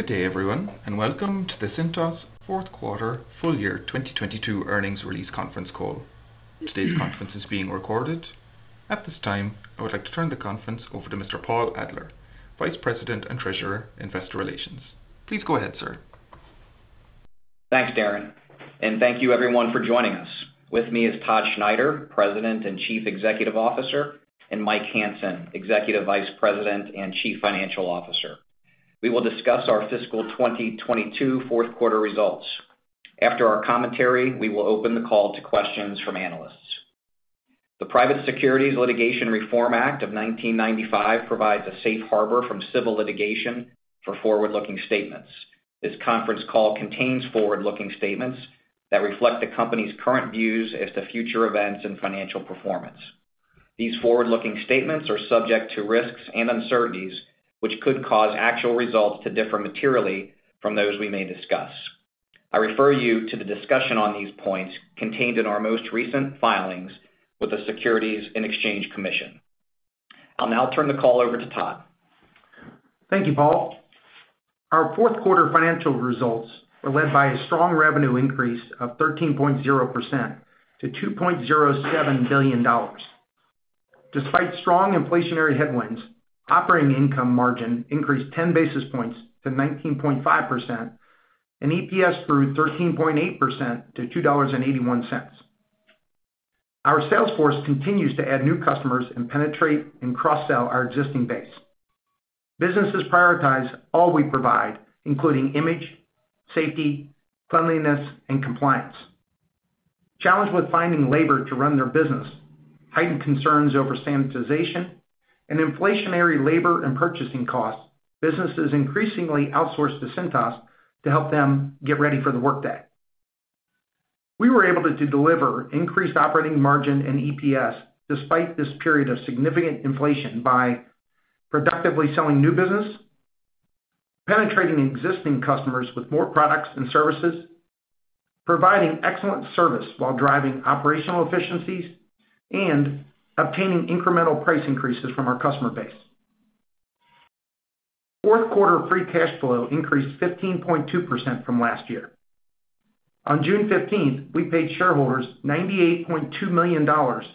Good day, everyone, and welcome to the Cintas fourth quarter full year 2022 earnings release conference call. Today's conference is being recorded. At this time, I would like to turn the conference over to Mr. Paul Adler, Vice President, Treasurer & Investor Relations. Please go ahead, sir. Thanks, Darren, and thank you everyone for joining us. With me is Todd Schneider, President and Chief Executive Officer, and Mike Hansen, Executive Vice President and Chief Financial Officer. We will discuss our fiscal 2022 fourth quarter results. After our commentary, we will open the call to questions from analysts. The Private Securities Litigation Reform Act of 1995 provides a safe harbor from civil litigation for forward-looking statements. This conference call contains forward-looking statements that reflect the company's current views as to future events and financial performance. These forward-looking statements are subject to risks and uncertainties, which could cause actual results to differ materially from those we may discuss. I refer you to the discussion on these points contained in our most recent filings with the Securities and Exchange Commission. I'll now turn the call over to Todd. Thank you, Paul. Our fourth quarter financial results were led by a strong revenue increase of 13.0% to $2.07 billion. Despite strong inflationary headwinds, operating income margin increased 10 basis points to 19.5%, and EPS grew 13.8% to $2.81. Our sales force continues to add new customers and penetrate and cross-sell our existing base. Businesses prioritize all we provide, including image, safety, cleanliness, and compliance. Challenged with finding labor to run their business, heightened concerns over sanitization and inflationary labor and purchasing costs, businesses increasingly outsource to Cintas to help them get ready for the workday. We were able to deliver increased operating margin and EPS despite this period of significant inflation by productively selling new business, penetrating existing customers with more products and services, providing excellent service while driving operational efficiencies, and obtaining incremental price increases from our customer base. Fourth quarter free cash flow increased 15.2% from last year. On June 15th, we paid shareholders $98.2 million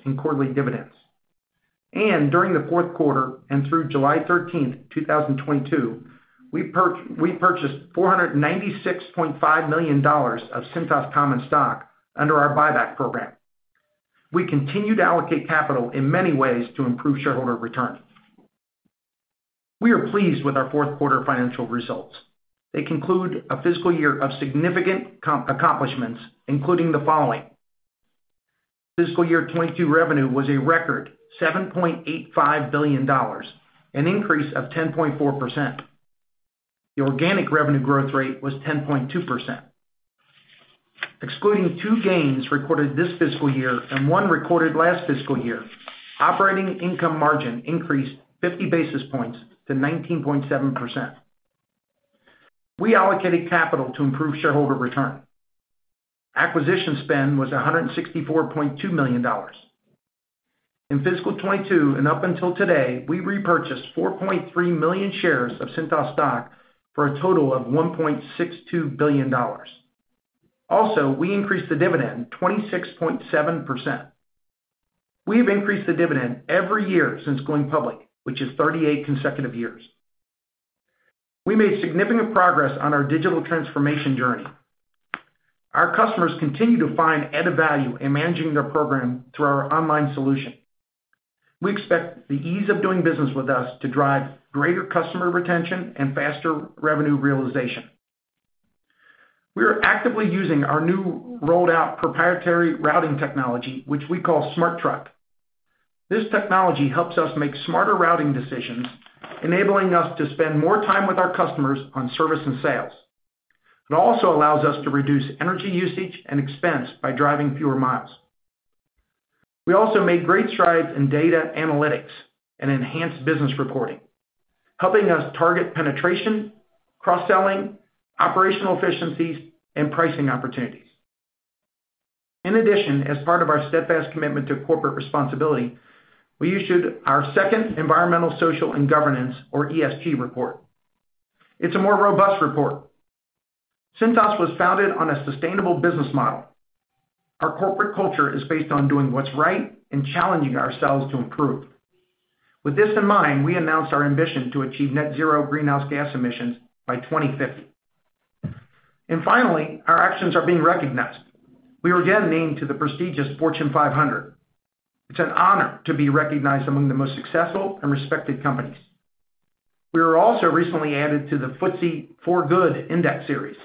in quarterly dividends. During the fourth quarter and through July 13, 2022, we purchased $496.5 million of Cintas common stock under our buyback program. We continue to allocate capital in many ways to improve shareholder return. We are pleased with our fourth quarter financial results. They conclude a fiscal year of significant accomplishments, including the following. Fiscal year 2022 revenue was a record $7.85 billion, an increase of 10.4%. The organic revenue growth rate was 10.2%. Excluding two gains recorded this fiscal year and one recorded last fiscal year, operating income margin increased 50 basis points to 19.7%. We allocated capital to improve shareholder return. Acquisition spend was $164.2 million. In fiscal 2022 and up until today, we repurchased 4.3 million shares of Cintas stock for a total of $1.62 billion. Also, we increased the dividend 26.7%. We have increased the dividend every year since going public, which is 38 consecutive years. We made significant progress on our digital transformation journey. Our customers continue to find added value in managing their program through our online solution. We expect the ease of doing business with us to drive greater customer retention and faster revenue realization. We are actively using our new rolled out proprietary routing technology, which we call Smart Truck. This technology helps us make smarter routing decisions, enabling us to spend more time with our customers on service and sales. It also allows us to reduce energy usage and expense by driving fewer miles. We also made great strides in data analytics and enhanced business reporting, helping us target penetration, cross-selling, operational efficiencies, and pricing opportunities. In addition, as part of our steadfast commitment to corporate responsibility, we issued our second Environmental, Social, and Governance, or ESG report. It's a more robust report. Cintas was founded on a sustainable business model. Our corporate culture is based on doing what's right and challenging ourselves to improve. With this in mind, we announced our ambition to achieve net zero greenhouse gas emissions by 2050. Finally, our actions are being recognized. We were again named to the prestigious Fortune 500. It's an honor to be recognized among the most successful and respected companies. We were also recently added to the FTSE4Good Index Series.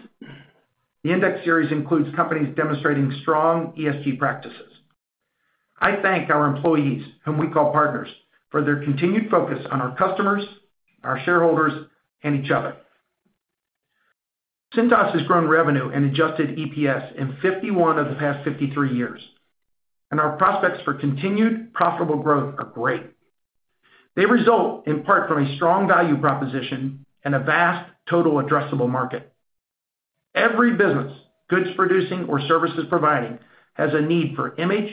The index series includes companies demonstrating strong ESG practices. I thank our employees, whom we call partners, for their continued focus on our customers, our shareholders, and each other. Cintas has grown revenue and adjusted EPS in 51 of the past 53 years, and our prospects for continued profitable growth are great. They result in part from a strong value proposition and a vast total addressable market. Every business, goods producing or services providing, has a need for image,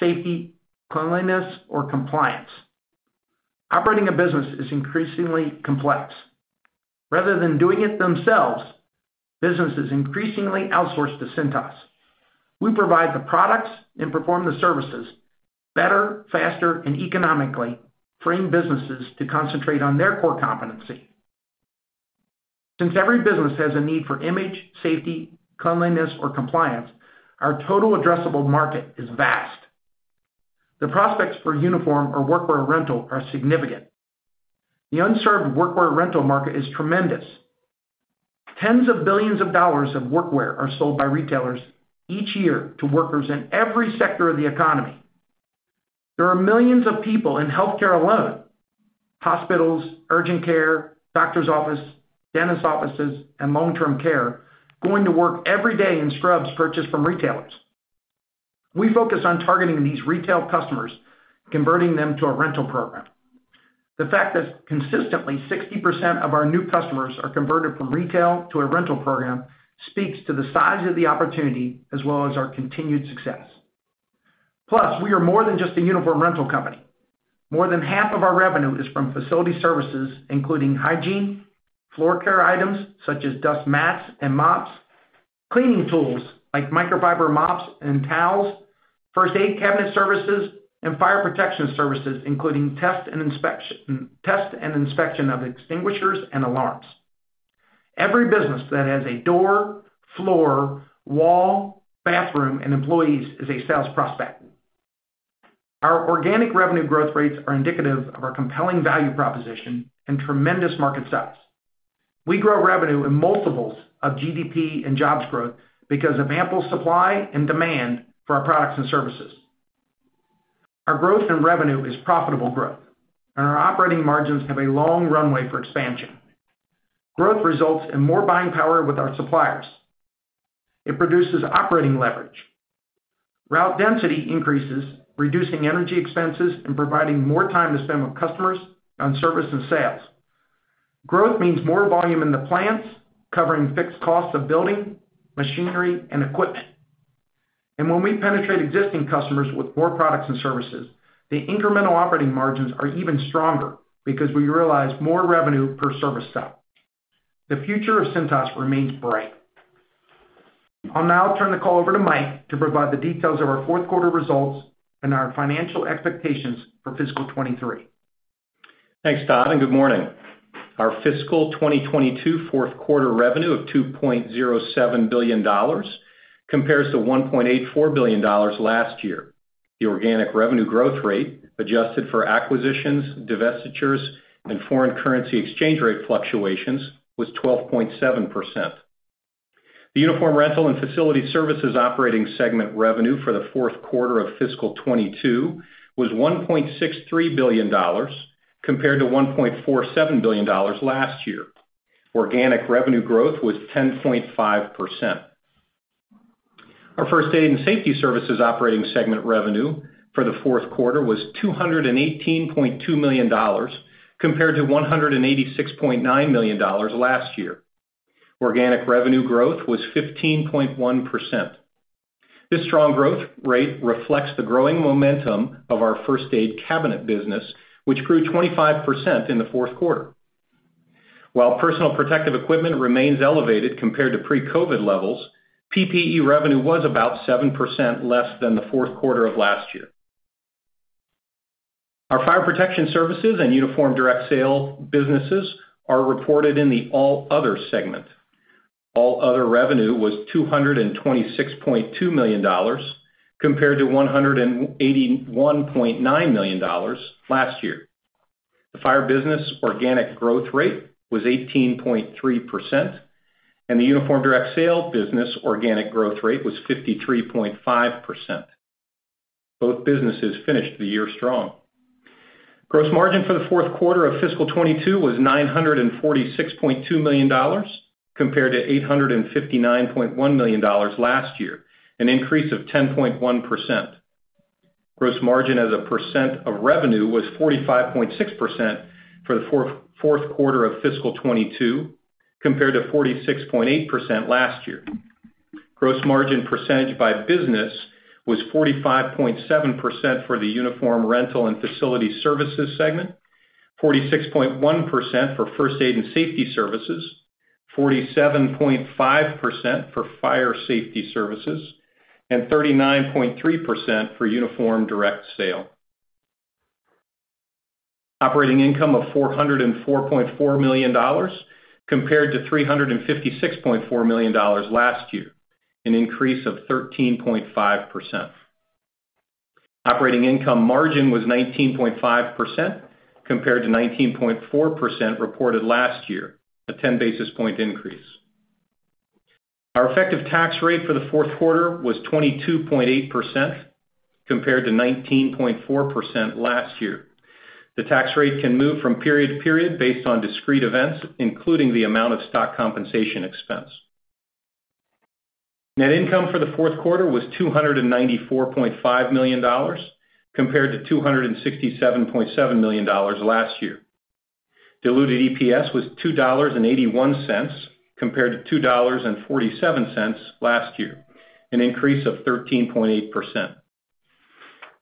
safety, cleanliness, or compliance. Operating a business is increasingly complex. Rather than doing it themselves, businesses increasingly outsource to Cintas. We provide the products and perform the services better, faster, and economically, freeing businesses to concentrate on their core competency. Since every business has a need for image, safety, cleanliness, or compliance, our total addressable market is vast. The prospects for uniform or workwear rental are significant. The unserved workwear rental market is tremendous. Tens of billions of dollars of workwear are sold by retailers each year to workers in every sector of the economy. There are millions of people in healthcare alone, hospitals, urgent care, doctor's office, dentist offices, and long-term care, going to work every day in scrubs purchased from retailers. We focus on targeting these retail customers, converting them to a rental program. The fact that consistently 60% of our new customers are converted from retail to a rental program speaks to the size of the opportunity as well as our continued success. Plus, we are more than just a uniform rental company. More than half of our revenue is from facility services, including hygiene, floor care items, such as dust mats and mops, cleaning tools like microfiber mops and towels, First Aid Cabinet Services, and Fire Protection Services, including test and inspection of extinguishers and alarms. Every business that has a door, floor, wall, bathroom, and employees is a sales prospect. Our organic revenue growth rates are indicative of our compelling value proposition and tremendous market size. We grow revenue in multiples of GDP and jobs growth because of ample supply and demand for our products and services. Our growth in revenue is profitable growth, and our operating margins have a long runway for expansion. Growth results in more buying power with our suppliers. It produces operating leverage. Route density increases, reducing energy expenses and providing more time to spend with customers on service and sales. Growth means more volume in the plants, covering fixed costs of building, machinery, and equipment. When we penetrate existing customers with more products and services, the incremental operating margins are even stronger because we realize more revenue per service sell. The future of Cintas remains bright. I'll now turn the call over to Mike to provide the details of our fourth quarter results and our financial expectations for fiscal 2023. Thanks, Todd, and good morning. Our fiscal 2022 fourth quarter revenue of $2.07 billion compares to $1.84 billion last year. The organic revenue growth rate, adjusted for acquisitions, divestitures, and foreign currency exchange rate fluctuations, was 12.7%. The Uniform Rental and Facility Services operating segment revenue for the fourth quarter of fiscal 2022 was $1.63 billion, compared to $1.47 billion last year. Organic revenue growth was 10.5%. Our First Aid and Safety Services operating segment revenue for the fourth quarter was $218.2 million, compared to $186.9 million last year. Organic revenue growth was 15.1%. This strong growth rate reflects the growing momentum of our First Aid Cabinet business, which grew 25% in the fourth quarter. While Personal Protective Equipment remains elevated compared to pre-COVID levels, PPE revenue was about 7% less than the fourth quarter of last year. Our Fire Protection Services and Uniform Direct Sale businesses are reported in the all other segment. All other revenue was $226.2 million compared to $181.9 million last year. The Fire business organic growth rate was 18.3%, and the Uniform Direct Sale business organic growth rate was 53.5%. Both businesses finished the year strong. Gross margin for the fourth quarter of fiscal 2022 was $946.2 million, compared to $859.1 million last year, an increase of 10.1%. Gross margin as a percent of revenue was 45.6% for the fourth quarter of fiscal 2022, compared to 46.8% last year. Gross margin percentage by business was 45.7% for the Uniform Rental and Facility Services segment, 46.1% for First Aid and Safety Services, 47.5% for Fire Protection Services, and 39.3% for Uniform Direct Sale. Operating income of $404.4 million compared to $356.4 million last year, an increase of 13.5%. Operating income margin was 19.5% compared to 19.4% reported last year, a 10 basis point increase. Our effective tax rate for the fourth quarter was 22.8%, compared to 19.4% last year. The tax rate can move from period to period based on discrete events, including the amount of stock compensation expense. Net income for the fourth quarter was $294.5 million compared to $267.7 million last year. Diluted EPS was $2.81 compared to $2.47 last year, an increase of 13.8%.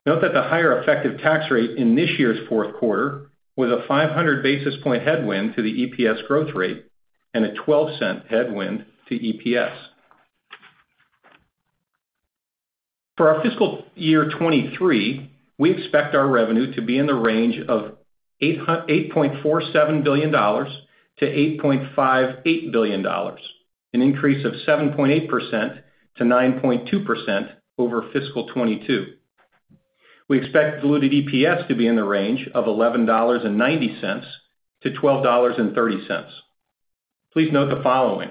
Note that the higher effective tax rate in this year's fourth quarter was a 500 basis point headwind to the EPS growth rate and a $0.12 headwind to EPS. For our fiscal year 2023, we expect our revenue to be in the range of $8.47 billion-$8.58 billion, an increase of 7.8%-9.2% over fiscal 2022. We expect diluted EPS to be in the range of $11.90-$12.30. Please note the following.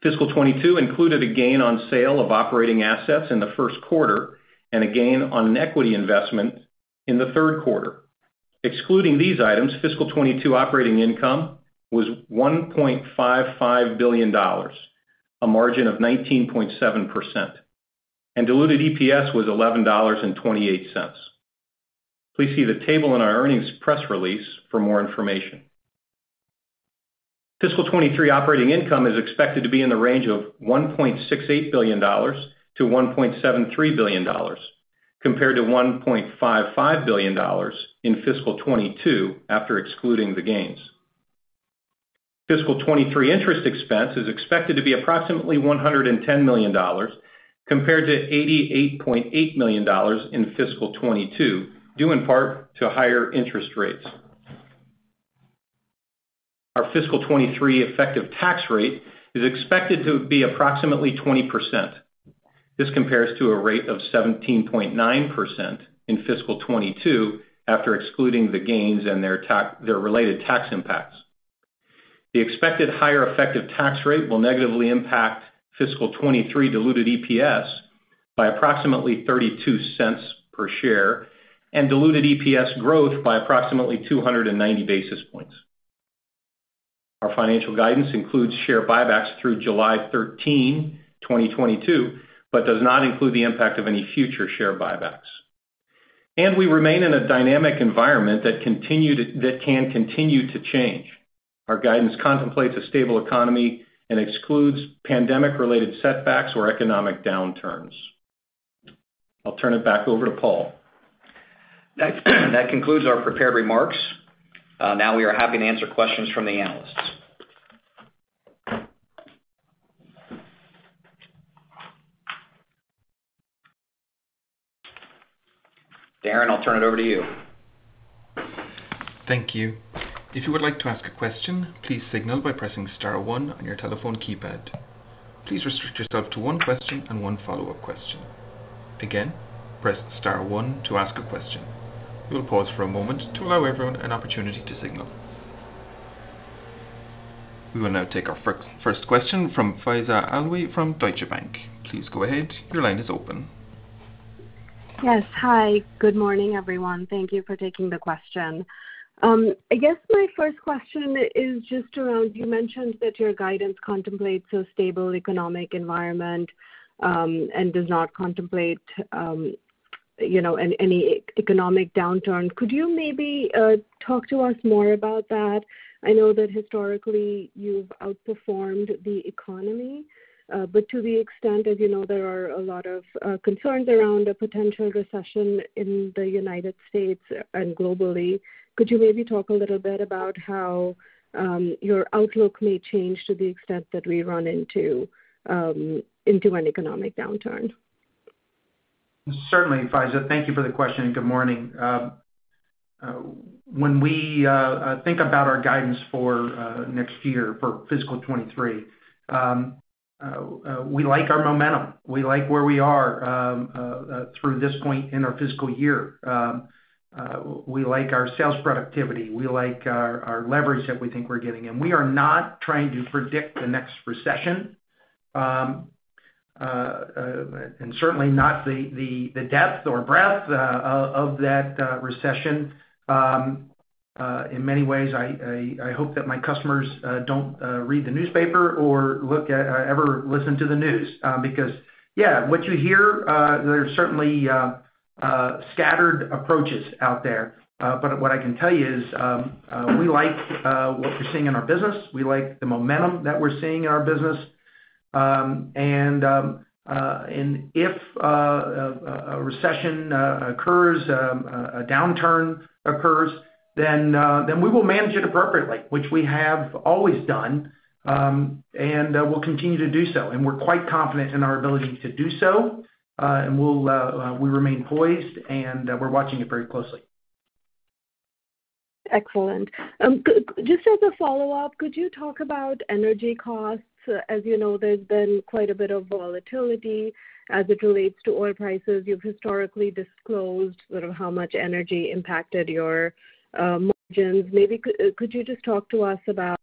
Fiscal 2022 included a gain on sale of operating assets in the first quarter and a gain on an equity investment in the third quarter. Excluding these items, fiscal 2022 operating income was $1.55 billion, a margin of 19.7%, and diluted EPS was $11.28. Please see the table in our earnings press release for more information. Fiscal 2023 operating income is expected to be in the range of $1.68 billion-$1.73 billion, compared to $1.55 billion in fiscal 2022 after excluding the gains. Fiscal 2023 interest expense is expected to be approximately $110 million compared to $88.8 million in fiscal 2022, due in part to higher interest rates. Our fiscal 2023 effective tax rate is expected to be approximately 20%. This compares to a rate of 17.9% in fiscal 2022 after excluding the gains and their related tax impacts. The expected higher effective tax rate will negatively impact fiscal 2023 diluted EPS by approximately $0.32 per share and diluted EPS growth by approximately 290 basis points. Our financial guidance includes share buybacks through July 13, 2022, but does not include the impact of any future share buybacks. We remain in a dynamic environment that can continue to change. Our guidance contemplates a stable economy and excludes pandemic-related setbacks or economic downturns. I'll turn it back over to Paul. That concludes our prepared remarks. Now we are happy to answer questions from the analysts. Darren, I'll turn it over to you. Thank you. If you would like to ask a question, please signal by pressing star one on your telephone keypad. Please restrict yourself to one question and one follow-up question. Again, press star one to ask a question. We will pause for a moment to allow everyone an opportunity to signal. We will now take our first question from Faiza Alwy from Deutsche Bank. Please go ahead. Your line is open. Yes. Hi. Good morning, everyone. Thank you for taking the question. I guess my first question is just around, you mentioned that your guidance contemplates a stable economic environment, and does not contemplate, you know, any economic downturn. Could you maybe talk to us more about that? I know that historically you've outperformed the economy, but to the extent, as you know, there are a lot of concerns around a potential recession in the United States and globally, could you maybe talk a little bit about how your outlook may change to the extent that we run into an economic downturn? Certainly, Faiza. Thank you for the question. Good morning. When we think about our guidance for next year, for fiscal 2023, we like our momentum. We like where we are through this point in our fiscal year. We like our sales productivity. We like our leverage that we think we're getting. We are not trying to predict the next recession, and certainly not the depth or breadth of that recession. In many ways, I hope that my customers don't read the newspaper or ever listen to the news, because yeah, what you hear, there's certainly scattered approaches out there. What I can tell you is, we like what we're seeing in our business. We like the momentum that we're seeing in our business. If a recession occurs, a downturn occurs, then we will manage it appropriately, which we have always done, and we'll continue to do so. We're quite confident in our ability to do so. We remain poised, and we're watching it very closely. Excellent. Just as a follow-up, could you talk about energy costs? As you know, there's been quite a bit of volatility as it relates to oil prices. You've historically disclosed sort of how much energy impacted your margins. Maybe could you just talk to us about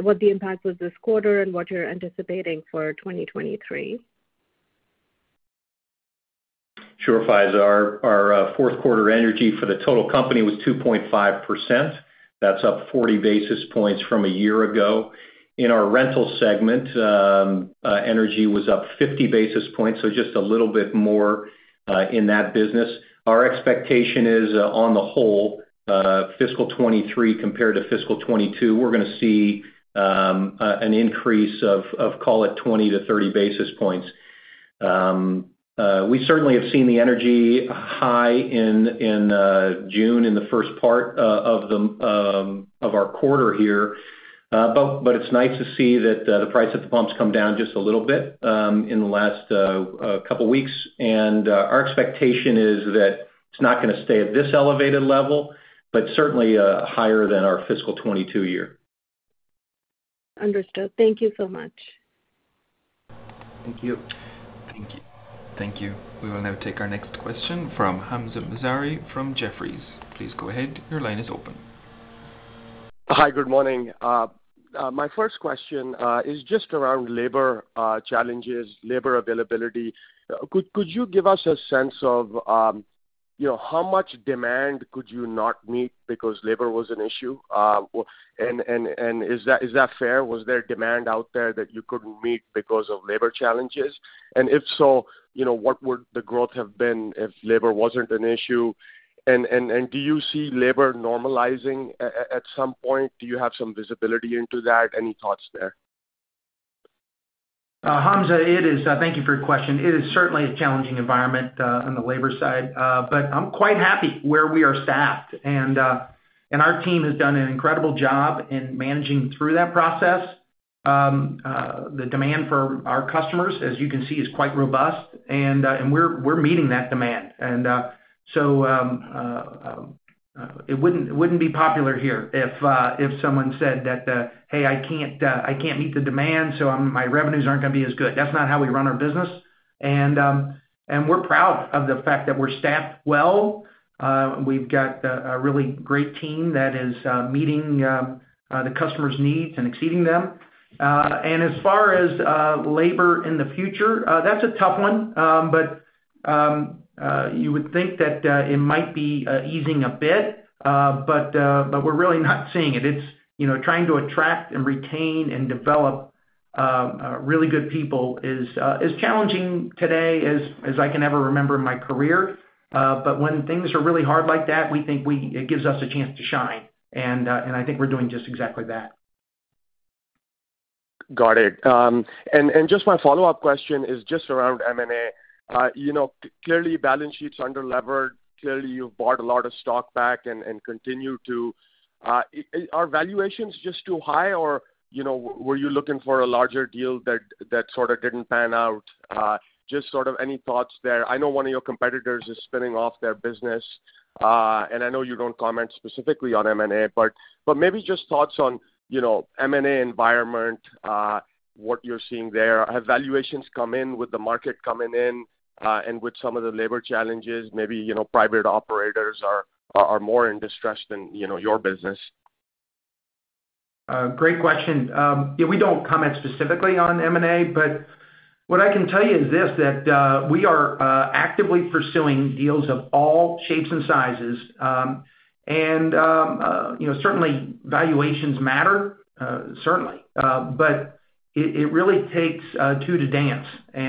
what the impact was this quarter and what you're anticipating for 2023? Sure, Faiza. Our fourth quarter energy for the total company was 2.5%. That's up 40 basis points from a year ago. In our rental segment, energy was up 50 basis points, so just a little bit more in that business. Our expectation is on the whole fiscal 2023 compared to fiscal 2022, we're gonna see an increase of call it 20-30 basis points. We certainly have seen the energy high in June in the first part of our quarter here. It's nice to see that the price at the pump's come down just a little bit in the last couple weeks. Our expectation is that it's not gonna stay at this elevated level, but certainly higher than our fiscal 2022 year. Understood. Thank you so much. Thank you. Thank you. Thank you. We will now take our next question from Hamzah Mazari from Jefferies. Please go ahead. Your line is open. Hi. Good morning. My first question is just around labor challenges, labor availability. Could you give us a sense of, you know, how much demand could you not meet because labor was an issue? And is that fair? Was there demand out there that you couldn't meet because of labor challenges? And if so, you know, what would the growth have been if labor wasn't an issue? And do you see labor normalizing at some point? Do you have some visibility into that? Any thoughts there? Hamzah, thank you for your question. It is certainly a challenging environment on the labor side. I'm quite happy where we are staffed and our team has done an incredible job in managing through that process. The demand for our customers, as you can see, is quite robust and we're meeting that demand. It wouldn't be popular here if someone said that, "Hey, I can't meet the demand, so my revenues aren't gonna be as good." That's not how we run our business. We're proud of the fact that we're staffed well. We've got a really great team that is meeting the customers' needs and exceeding them. As far as labor in the future, that's a tough one. You would think that it might be easing a bit, but we're really not seeing it. It's you know trying to attract and retain and develop really good people is challenging today as I can ever remember in my career. When things are really hard like that, we think it gives us a chance to shine, and I think we're doing just exactly that. Got it. Just my follow-up question is just around M&A. You know, clearly, balance sheet's underlevered. Clearly, you've bought a lot of stock back and continue to. Are valuations just too high or, you know, were you looking for a larger deal that sort of didn't pan out? Just sort of any thoughts there. I know one of your competitors is spinning off their business, and I know you don't comment specifically on M&A, but maybe just thoughts on, you know, M&A environment, what you're seeing there. Have valuations come in with the market coming in, and with some of the labor challenges, maybe, you know, private operators are more in distress than your business? Great question. We don't comment specifically on M&A, but what I can tell you is this, we are actively pursuing deals of all shapes and sizes. You know, certainly valuations matter, certainly. It really takes two to dance. We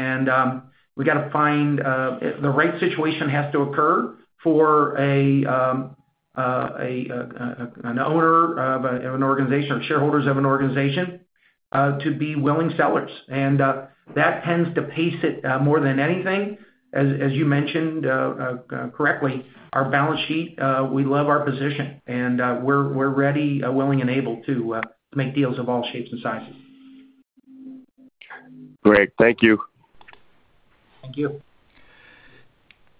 gotta find the right situation has to occur for an owner of an organization or shareholders of an organization to be willing sellers. That tends to pace it more than anything. As you mentioned correctly, our balance sheet, we love our position and we're ready, willing, and able to make deals of all shapes and sizes. Great. Thank you. Thank you.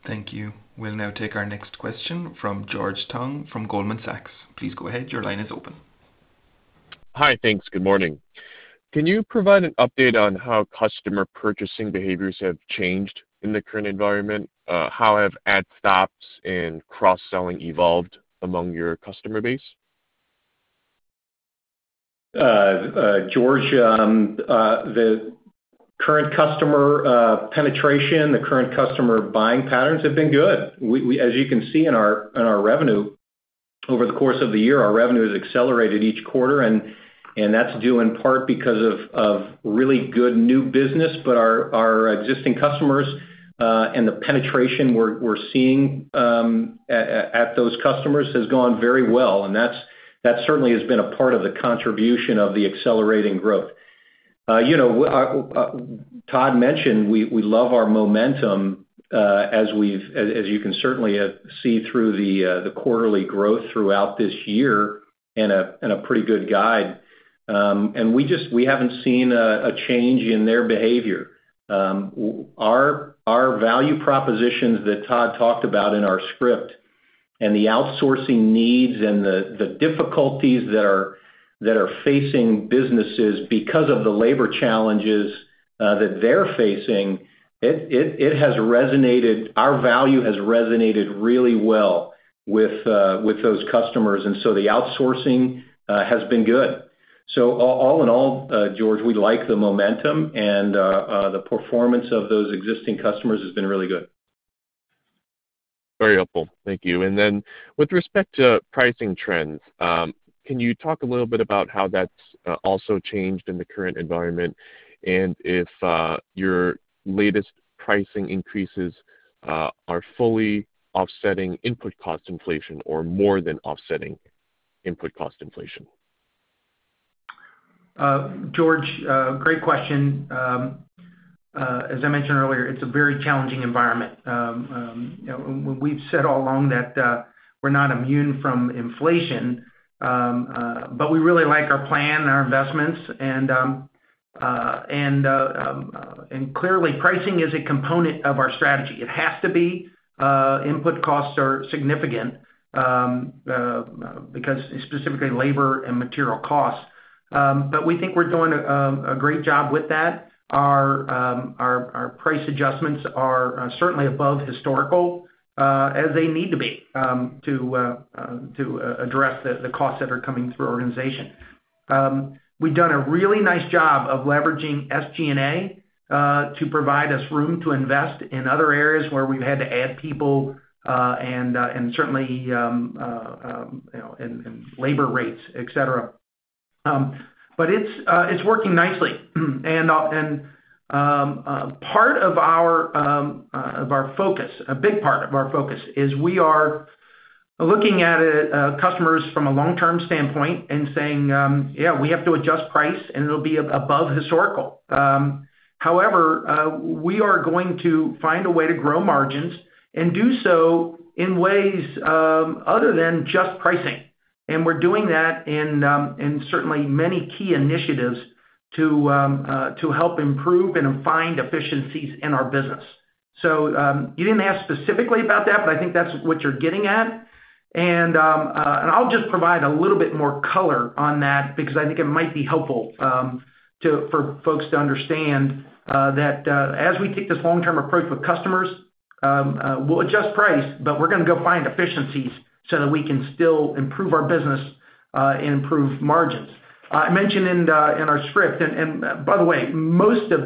Thank you. We'll now take our next question from George Tong from Goldman Sachs. Please go ahead. Your line is open. Hi. Thanks. Good morning. Can you provide an update on how customer purchasing behaviors have changed in the current environment? How have add stops and cross-selling evolved among your customer base? George, the current customer penetration, the current customer buying patterns have been good. As you can see in our revenue over the course of the year, our revenue has accelerated each quarter and that's due in part because of really good new business. But our existing customers and the penetration we're seeing at those customers has gone very well, and that certainly has been a part of the contribution of the accelerating growth. You know, Todd mentioned we love our momentum as you can certainly see through the quarterly growth throughout this year in a pretty good guide. We haven't seen a change in their behavior. Our value propositions that Todd talked about in our script and the outsourcing needs and the difficulties that are facing businesses because of the labor challenges that they're facing, it has resonated. Our value has resonated really well with those customers, and so the outsourcing has been good. All in all, George, we like the momentum and the performance of those existing customers has been really good. Very helpful. Thank you. With respect to pricing trends, can you talk a little bit about how that's also changed in the current environment? If your latest pricing increases are fully offsetting input cost inflation or more than offsetting input cost inflation? George, great question. As I mentioned earlier, it's a very challenging environment. You know, we've said all along that we're not immune from inflation, but we really like our plan, our investments, and clearly, pricing is a component of our strategy. It has to be. Input costs are significant because specifically labor and material costs. We think we're doing a great job with that. Our price adjustments are certainly above historical, as they need to be, to address the costs that are coming through our organization. We've done a really nice job of leveraging SG&A to provide us room to invest in other areas where we've had to add people, and certainly, you know, and labor rates, et cetera. It's working nicely. Part of our focus, a big part of our focus is we are looking at customers from a long-term standpoint and saying, "Yeah, we have to adjust price, and it'll be above historical." However, we are going to find a way to grow margins and do so in ways other than just pricing. We're doing that in certainly many key initiatives to help improve and find efficiencies in our business. You didn't ask specifically about that, but I think that's what you're getting at. I'll just provide a little bit more color on that because I think it might be helpful for folks to understand that as we take this long-term approach with customers, we'll adjust price, but we're gonna go find efficiencies so that we can still improve our business and improve margins. I mentioned in our script, and by the way, most of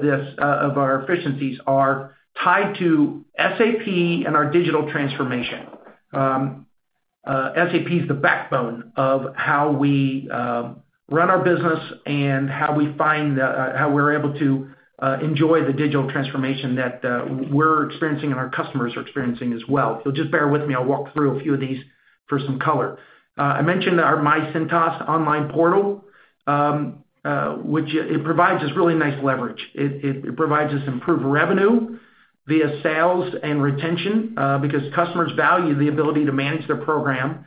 our efficiencies are tied to SAP and our digital transformation. SAP is the backbone of how we run our business and how we find how we're able to enjoy the digital transformation that we're experiencing and our customers are experiencing as well. Just bear with me, I'll walk through a few of these for some color. I mentioned our myCintas online portal, which it provides us really nice leverage. It provides us improved revenue via sales and retention, because customers value the ability to manage their program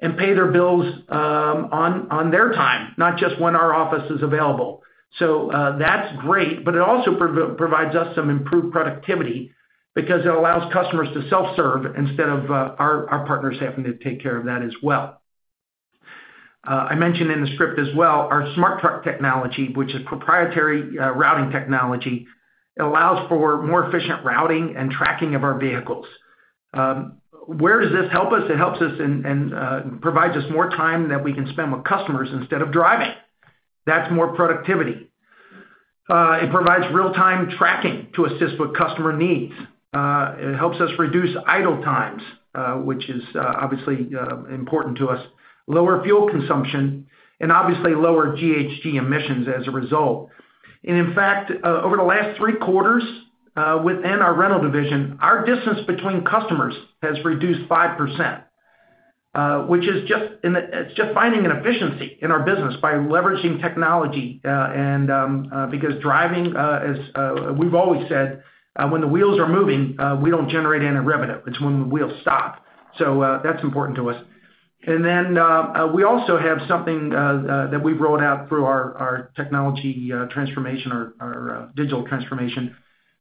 and pay their bills, on their time, not just when our office is available. That's great, but it also provides us some improved productivity because it allows customers to self-serve instead of our partners having to take care of that as well. I mentioned in the script as well, our Smart Truck technology, which is proprietary routing technology, allows for more efficient routing and tracking of our vehicles. Where does this help us? It helps us and provides us more time that we can spend with customers instead of driving. That's more productivity. It provides real-time tracking to assist with customer needs. It helps us reduce idle times, which is obviously important to us, lower fuel consumption, and obviously, lower GHG emissions as a result. In fact, over the last three quarters, within our rental division, our distance between customers has reduced 5%, which is just finding an efficiency in our business by leveraging technology. Because driving, as we've always said, when the wheels are moving, we don't generate any revenue. It's when the wheels stop. That's important to us. We also have something that we've rolled out through our technology transformation or digital transformation,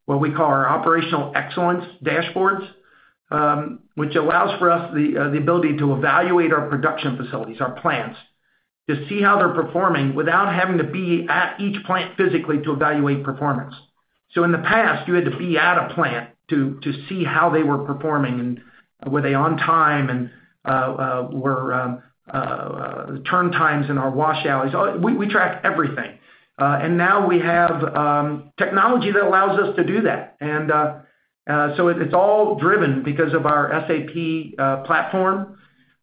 what we call our operational excellence dashboards, which allows for us the ability to evaluate our production facilities, our plants, to see how they're performing without having to be at each plant physically to evaluate performance. In the past, you had to be at a plant to see how they were performing and were they on time and were turn times in our wash alleys. We track everything. Now we have technology that allows us to do that. It's all driven because of our SAP platform.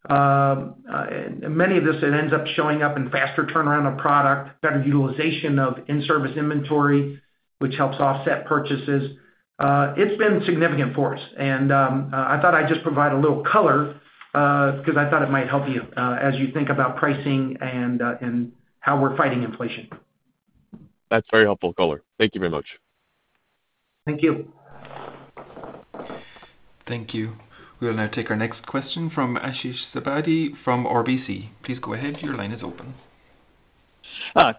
Many of these, it ends up showing up in faster turnaround of product, better utilization of in-service inventory, which helps offset purchases. It's been significant for us. I thought I'd just provide a little color, because I thought it might help you, as you think about pricing and how we're fighting inflation. That's very helpful color. Thank you very much. Thank you. Thank you. We will now take our next question from Ashish Sabadra from RBC. Please go ahead. Your line is open.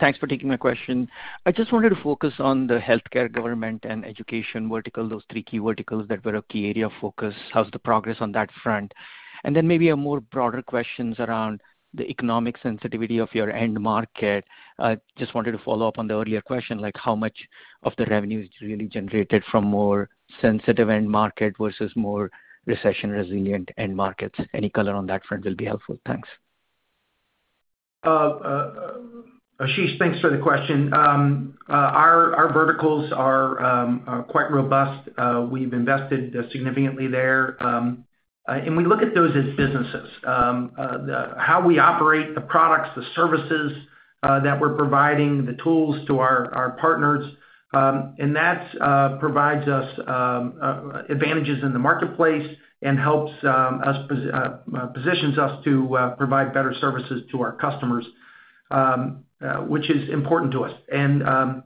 Thanks for taking my question. I just wanted to focus on the Healthcare, Government, and Education vertical, those three key verticals that were a key area of focus. How's the progress on that front? Maybe a more broader questions around the economic sensitivity of your end market. I just wanted to follow up on the earlier question, like how much of the revenue is really generated from more sensitive end market versus more recession-resilient end markets. Any color on that front will be helpful. Thanks. Ashish, thanks for the question. Our verticals are quite robust. We've invested significantly there, and we look at those as businesses. How we operate the products, the services that we're providing, the tools to our partners, and that's provides us advantages in the marketplace and helps us positions us to provide better services to our customers, which is important to us.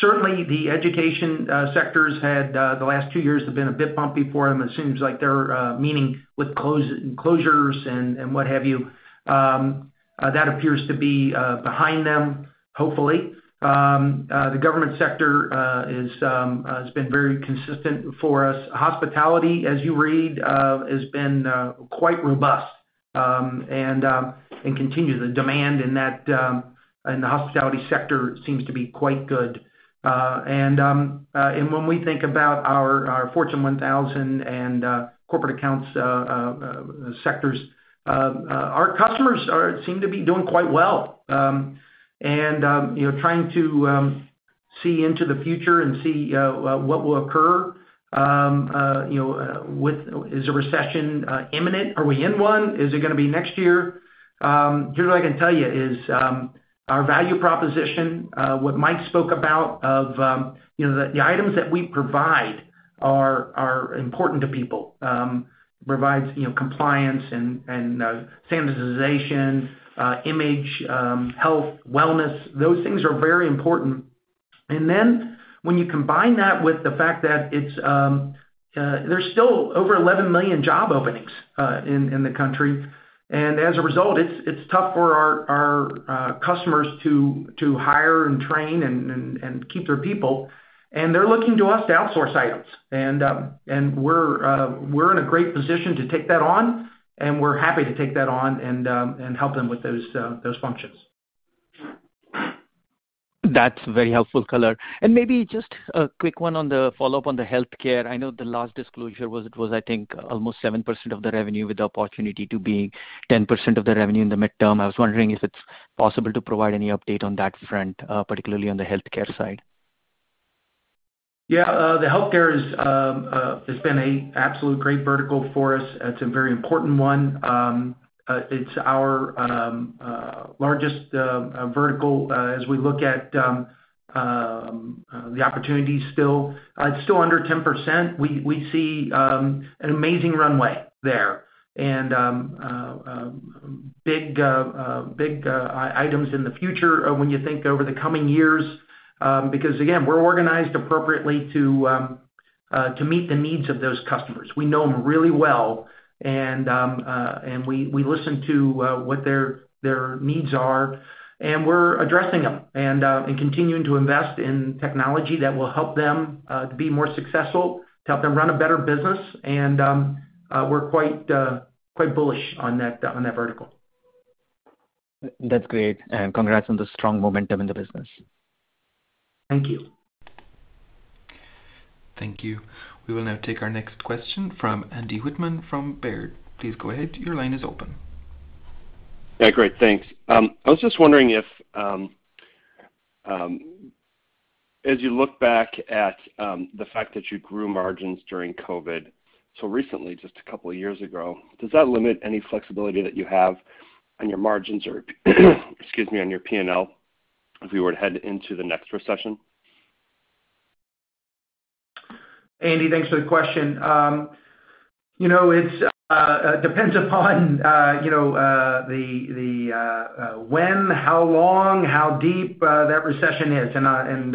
Certainly the education sectors had the last two years have been a bit bumpy for them. It seems like they're meeting with closures and what have you. That appears to be behind them, hopefully. The government sector is has been very consistent for us. Hospitality, as you read, has been quite robust and continues. The demand in the hospitality sector seems to be quite good. When we think about our Fortune 1000 and corporate accounts sectors, our customers seem to be doing quite well. You know, trying to see into the future and see what will occur with a recession. Is a recession imminent? Are we in one? Is it gonna be next year? Here's what I can tell you is our value proposition, what Mike spoke about of, you know, the items that we provide are important to people, provides you know compliance and standardization, image, health, wellness. Those things are very important. Then when you combine that with the fact that there's still over 11 million job openings in the country. As a result, it's tough for our customers to hire and train and keep their people, and they're looking to us to outsource items. We're in a great position to take that on, and we're happy to take that on and help them with those functions. That's very helpful color. Maybe just a quick one on the follow-up on the Healthcare. I know the last disclosure was, I think, almost 7% of the revenue, with the opportunity to be 10% of the revenue in the midterm. I was wondering if it's possible to provide any update on that front, particularly on the Healthcare side. Yeah, the Healthcare has been a absolute great vertical for us. It's a very important one. It's our largest vertical as we look at the opportunities still. It's still under 10%. We see an amazing runway there and big items in the future when you think over the coming years, because again, we're organized appropriately to meet the needs of those customers. We know them really well, and we listen to what their needs are, and we're addressing them and continuing to invest in technology that will help them to be more successful, to help them run a better business, and we're quite bullish on that vertical. That's great, and congrats on the strong momentum in the business. Thank you. Thank you. We will now take our next question from Andrew Wittmann from Baird. Please go ahead. Your line is open. Yeah, great. Thanks. I was just wondering if, as you look back at, the fact that you grew margins during COVID so recently, just a couple of years ago, does that limit any flexibility that you have on your margins or excuse me, on your P&L if we were to head into the next recession? Andy, thanks for the question. You know, it depends upon you know, when, how long, how deep that recession is and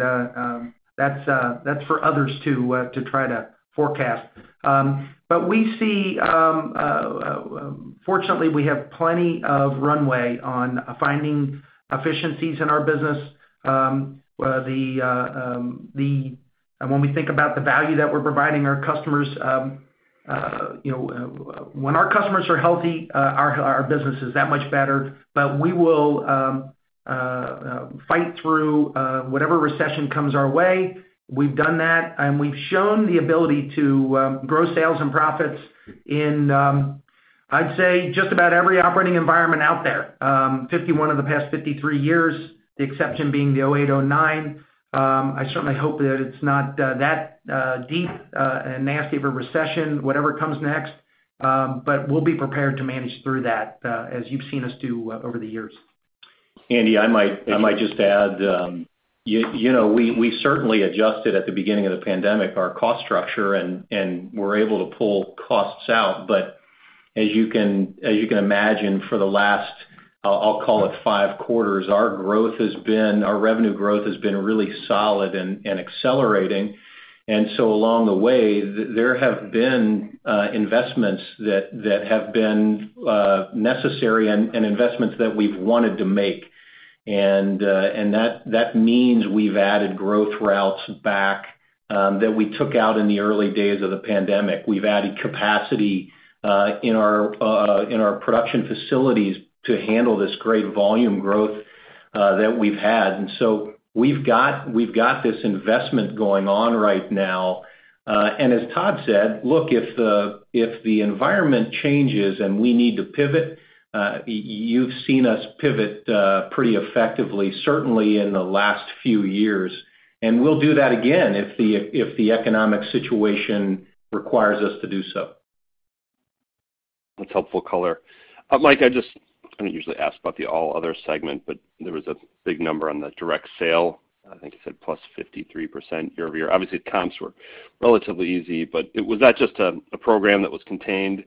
that's for others to try to forecast. We see, fortunately, we have plenty of runway on finding efficiencies in our business. When we think about the value that we're providing our customers, you know, when our customers are healthy, our business is that much better. We will fight through whatever recession comes our way. We've done that, and we've shown the ability to grow sales and profits in, I'd say, just about every operating environment out there. 51 of the past 53 years, the exception being the 2008, 2009. I certainly hope that it's not that deep and nasty of a recession, whatever comes next. We'll be prepared to manage through that, as you've seen us do over the years. Andy, I might. I might just add, you know, we certainly adjusted at the beginning of the pandemic our cost structure, and we're able to pull costs out. As you can imagine, for the last, I'll call it five quarters, our revenue growth has been really solid and accelerating. Along the way, there have been investments that have been necessary and investments that we've wanted to make. That means we've added growth routes back that we took out in the early days of the pandemic. We've added capacity in our production facilities to handle this great volume growth that we've had. We've got this investment going on right now. As Todd said, look, if the environment changes and we need to pivot, you've seen us pivot pretty effectively, certainly in the last few years. We'll do that again if the economic situation requires us to do so. That's helpful color. Mike, I don't usually ask about the all other segment, but there was a big number on the direct sale. I think you said plus 53% year-over-year. Obviously, comps were relatively easy, but was that just a program that was contained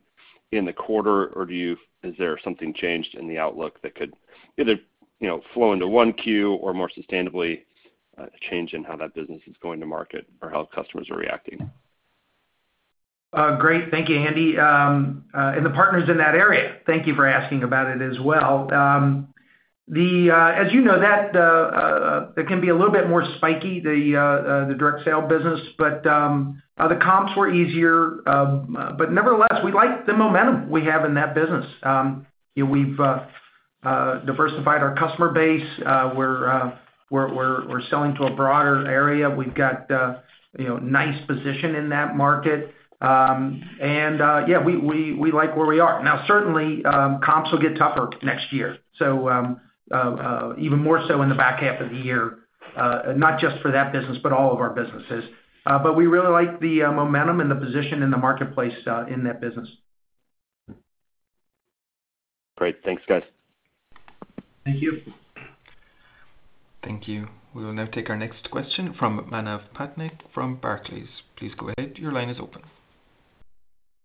in the quarter? Or is there something changed in the outlook that could either, you know, flow into 1Q or more sustainably a change in how that business is going to market or how customers are reacting? Great. Thank you, Andy. The partners in that area, thank you for asking about it as well. As you know, it can be a little bit more spiky, the direct sale business, but the comps were easier. Nevertheless, we like the momentum we have in that business. We've diversified our customer base. We're selling to a broader area. We've got, you know, nice position in that market. Yeah, we like where we are. Now, certainly, comps will get tougher next year, so even more so in the back half of the year, not just for that business, but all of our businesses. We really like the momentum and the position in the marketplace in that business. Great. Thanks, guys. Thank you. Thank you. We will now take our next question from Manav Patnaik from Barclays. Please go ahead. Your line is open.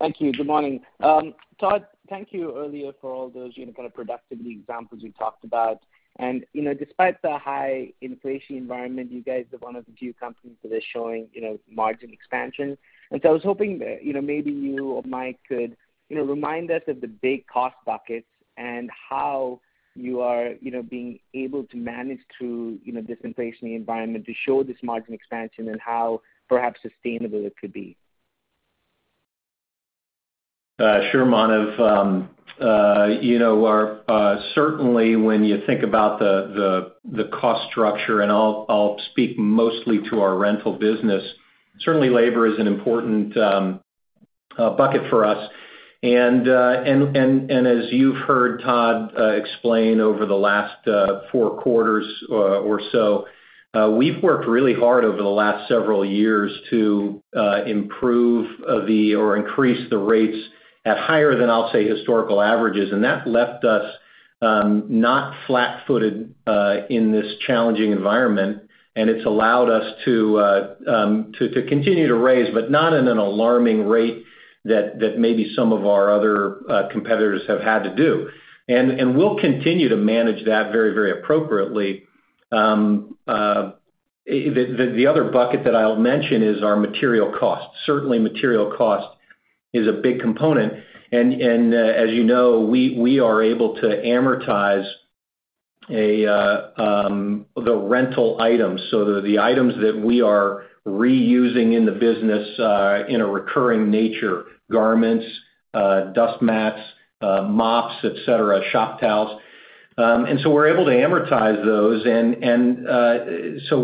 Thank you. Good morning. Todd, thank you earlier for all those, you know, kind of productivity examples you talked about. You know, despite the high inflation environment, you guys are one of the few companies that are showing, you know, margin expansion. I was hoping, you know, maybe you or Mike could, you know, remind us of the big cost buckets and how you are, you know, being able to manage through, you know, this inflationary environment to show this margin expansion and how perhaps sustainable it could be? Sure, Manav. You know, certainly when you think about the cost structure, and I'll speak mostly to our rental business. Certainly, labor is an important bucket for us. As you've heard Todd explain over the last four quarters or so, we've worked really hard over the last several years to improve or increase the rates at higher than, I'll say, historical averages. That left us not flat-footed in this challenging environment. It's allowed us to continue to raise, but not at an alarming rate that maybe some of our other competitors have had to do. We'll continue to manage that very appropriately. The other bucket that I'll mention is our material costs. Certainly, material cost is a big component. As you know, we are able to amortize the rental items. The items that we are reusing in the business, in a recurring nature, garments, dust mats, mops, et cetera, shop towels. We're able to amortize those.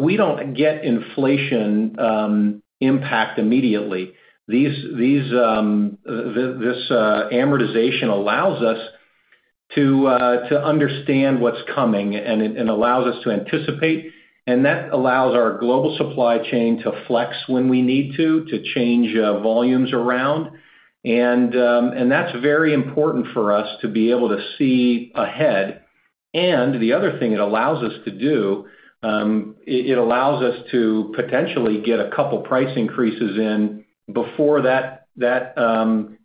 We don't get inflation impact immediately. This amortization allows us to understand what's coming and allows us to anticipate, and that allows our global supply chain to flex when we need to change volumes around. That's very important for us to be able to see ahead. The other thing it allows us to do, it allows us to potentially get a couple price increases in before that,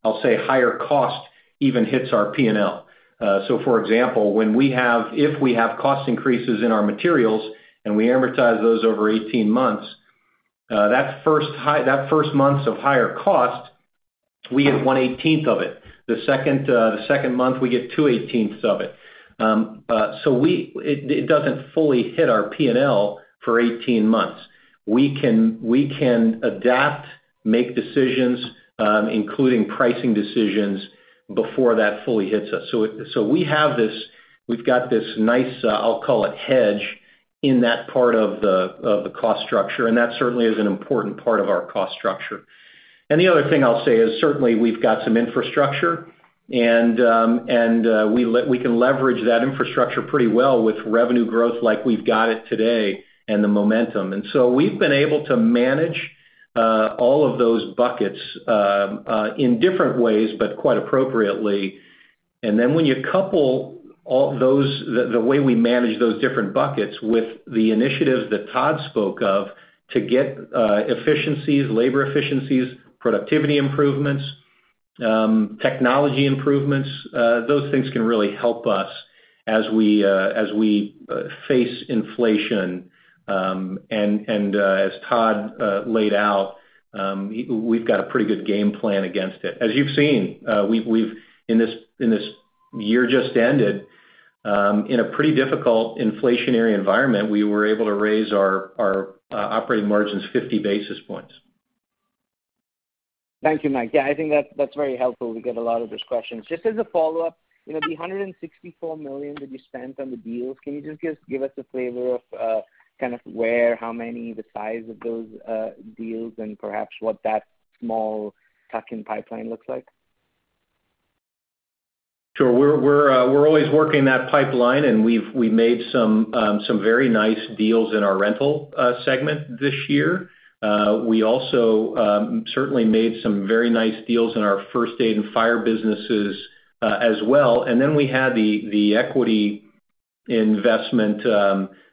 I'll say, higher cost even hits our P&L. For example, if we have cost increases in our materials and we amortize those over 18 months, that first month of higher cost, we get 1/18 of it. The second month, we get 2/18 of it. It doesn't fully hit our P&L for 18 months. We can adapt, make decisions, including pricing decisions before that fully hits us. We have this, we've got this nice, I'll call it, hedge in that part of the cost structure, and that certainly is an important part of our cost structure. The other thing I'll say is, certainly, we've got some infrastructure and we can leverage that infrastructure pretty well with revenue growth like we've got it today and the momentum. We've been able to manage all of those buckets in different ways, but quite appropriately. When you couple the way we manage those different buckets with the initiatives that Todd spoke of to get efficiencies, labor efficiencies, productivity improvements, technology improvements, those things can really help us as we face inflation. As Todd laid out, we've got a pretty good game plan against it. As you've seen, we've in this year just ended, in a pretty difficult inflationary environment, we were able to raise our operating margins 50 basis points. Thank you, Mike. Yeah, I think that's very helpful. We get a lot of those questions. Just as a follow-up, you know, the $164 million that you spent on the deals, can you just give us a flavor of kind of where, how many, the size of those deals and perhaps what that small tuck-in pipeline looks like? Sure. We're always working that pipeline, and we've made some very nice deals in our rental segment this year. We also certainly made some very nice deals in our First Aid and Fire businesses as well. We had the equity investment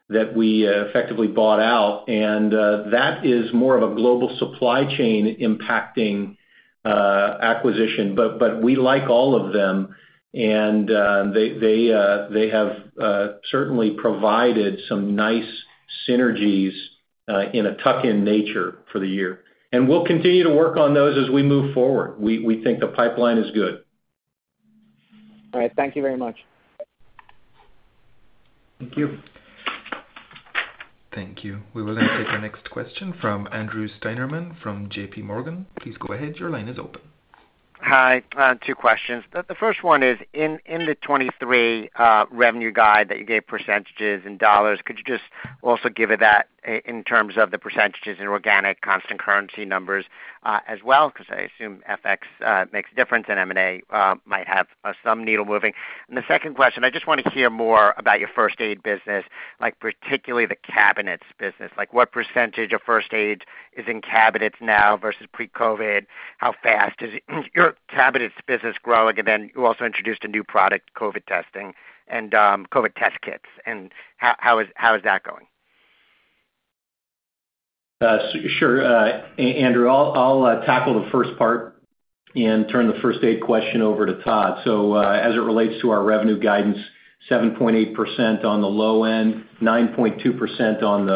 that we effectively bought out, and that is more of a global supply chain impacting acquisition. We like all of them. They have certainly provided some nice synergies in a tuck-in nature for the year. We'll continue to work on those as we move forward. We think the pipeline is good. All right. Thank you very much. Thank you. Thank you. We will now take our next question from Andrew Steinerman from J.P. Morgan. Please go ahead. Your line is open. Hi. Two questions. The first one is, in the 2023 revenue guide that you gave percentages and dollars, could you just also give that in terms of the percentages in organic constant currency numbers as well? 'Cause I assume FX makes a difference, and M&A might have some needle moving. The second question, I just wanna hear more about your First Aid business, like particularly the cabinets business. Like, what percentage of first aid is in cabinets now versus pre-COVID? How fast is your cabinets business growing? And then you also introduced a new product, COVID testing and COVID test kits, and how is that going? Sure. Andrew, I'll tackle the first part and turn the first aid question over to Todd. As it relates to our revenue guidance, 7.8% on the low end, 9.2% on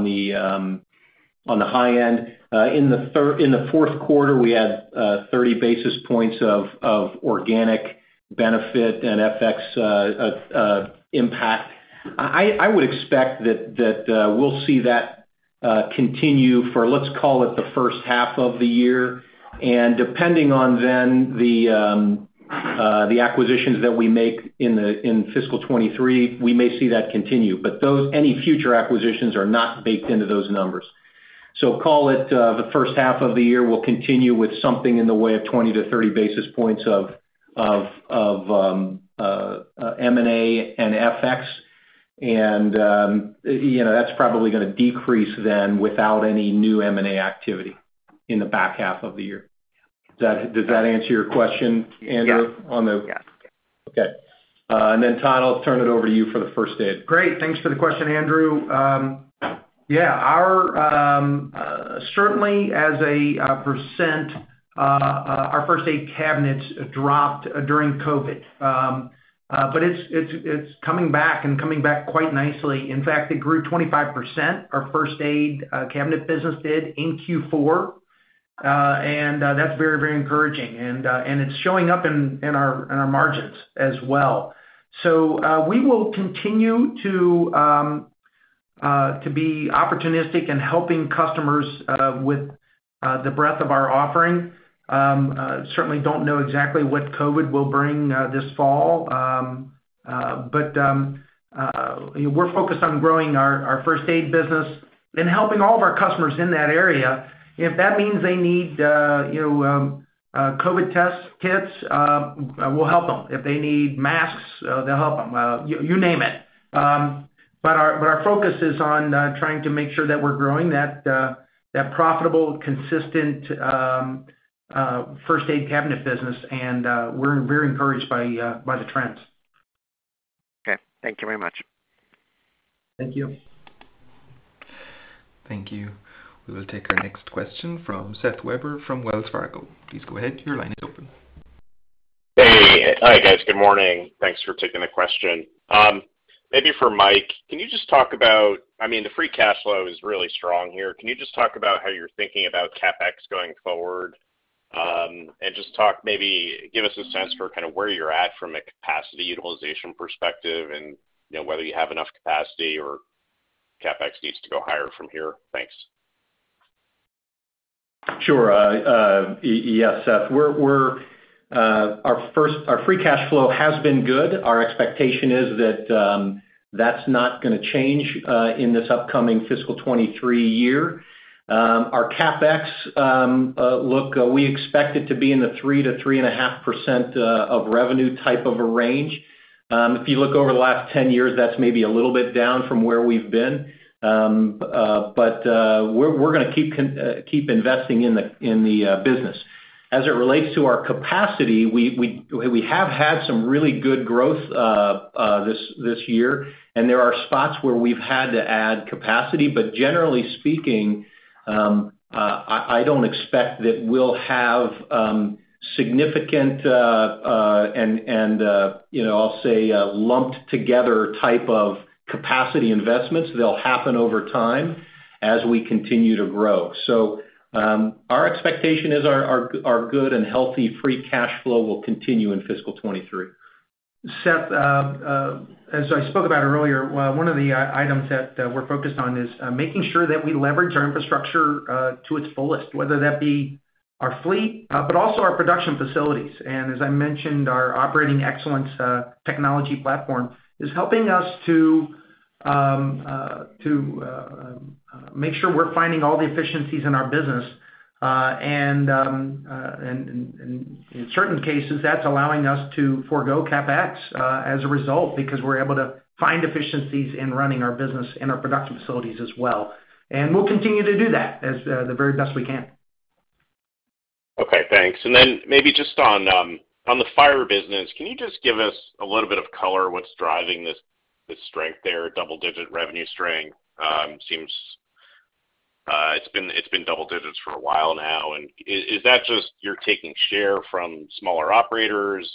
the high end. In the fourth quarter, we had 30 basis points of organic benefit and FX impact. I would expect that we'll see that continue for, let's call it, the first half of the year. Depending on the acquisitions that we make in fiscal 2023, we may see that continue. Any future acquisitions are not baked into those numbers. Call it the first half of the year, we'll continue with something in the way of 20-30 basis points of M&A and FX. You know, that's probably gonna decrease then without any new M&A activity in the back half of the year. Does that answer your question, Andrew? Yeah. On the- Yes. Okay. Todd, I'll turn it over to you for the First Aid. Great. Thanks for the question, Andrew. Yeah. Our First Aid Cabinets dropped during COVID. It's coming back quite nicely. In fact, it grew 25%, our First Aid Cabinet business did in Q4. That's very encouraging, and it's showing up in our margins as well. We will continue to be opportunistic in helping customers with the breadth of our offering. Certainly don't know exactly what COVID will bring this fall. We're focused on growing our First Aid business and helping all of our customers in that area. If that means they need you know COVID test kits, we'll help them. If they need masks, they'll help them. You name it. Our focus is on trying to make sure that we're growing that profitable, consistent First Aid Cabinet business and we're encouraged by the trends. Okay. Thank you very much. Thank you. Thank you. We will take our next question from Seth Weber from Wells Fargo. Please go ahead. Your line is open. Hey. Hi, guys. Good morning. Thanks for taking the question. Maybe for Mike, can you just talk about, I mean, the free cash flow is really strong here. Can you just talk about how you're thinking about CapEx going forward? Just talk, maybe give us a sense for kind of where you're at from a capacity utilization perspective and, you know, whether you have enough capacity or CapEx needs to go higher from here. Thanks. Sure. Yes, Seth. We're our free cash flow has been good. Our expectation is that that's not gonna change in this upcoming fiscal 2023 year. Our CapEx look, we expect it to be in the 3%-3.5% of revenue type of a range. If you look over the last 10 years, that's maybe a little bit down from where we've been. But we're gonna keep investing in the business. As it relates to our capacity, we have had some really good growth this year, and there are spots where we've had to add capacity. Generally speaking, I don't expect that we'll have significant, you know, I'll say, lumped together type of capacity investments. They'll happen over time as we continue to grow. Our expectation is our good and healthy free cash flow will continue in fiscal 2023. Seth, as I spoke about earlier, well, one of the items that we're focused on is making sure that we leverage our infrastructure to its fullest, whether that be our fleet, but also our production facilities. As I mentioned, our operating excellence technology platform is helping us to make sure we're finding all the efficiencies in our business. In certain cases, that's allowing us to forgo CapEx, as a result, because we're able to find efficiencies in running our business and our production facilities as well. We'll continue to do that as the very best we can. Okay, thanks. Maybe just on the Fire business, can you just give us a little bit of color what's driving this strength there, double-digit revenue strength? Seems it's been double digits for a while now. Is that just you're taking share from smaller operators?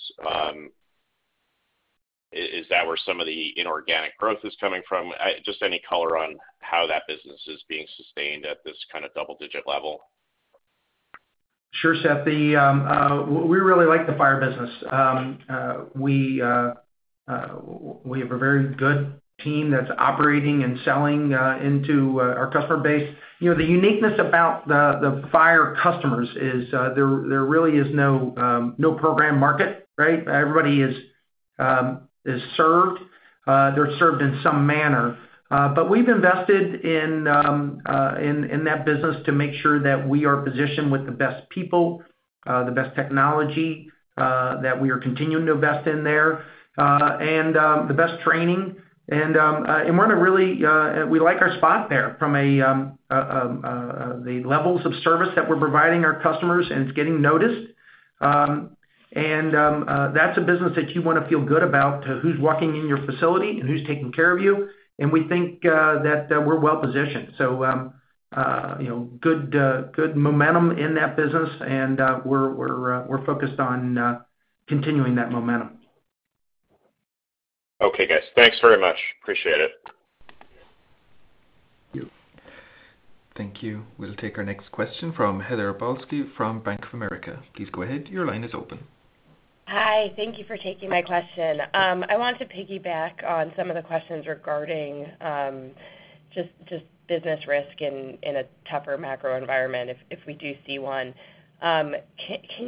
Is that where some of the inorganic growth is coming from? Just any color on how that business is being sustained at this kind of double-digit level. Sure, Seth. We really like the Fire business. We have a very good team that's operating and selling into our customer base. You know, the uniqueness about the fire customers is there really is no program market, right? Everybody is served. They're served in some manner. But we've invested in that business to make sure that we are positioned with the best people, the best technology, that we are continuing to invest in there, and the best training. We like our spot there from the levels of service that we're providing our customers, and it's getting noticed. That's a business that you wanna feel good about, who's walking in your facility and who's taking care of you. We think that we're well positioned. You know, good momentum in that business, and we're focused on continuing that momentum. Okay, guys. Thanks very much. Appreciate it. Thank you. We'll take our next question from Heather Balsky from Bank of America. Please go ahead. Your line is open. Hi. Thank you for taking my question. I want to piggyback on some of the questions regarding just business risk in a tougher macro environment if we do see one. Can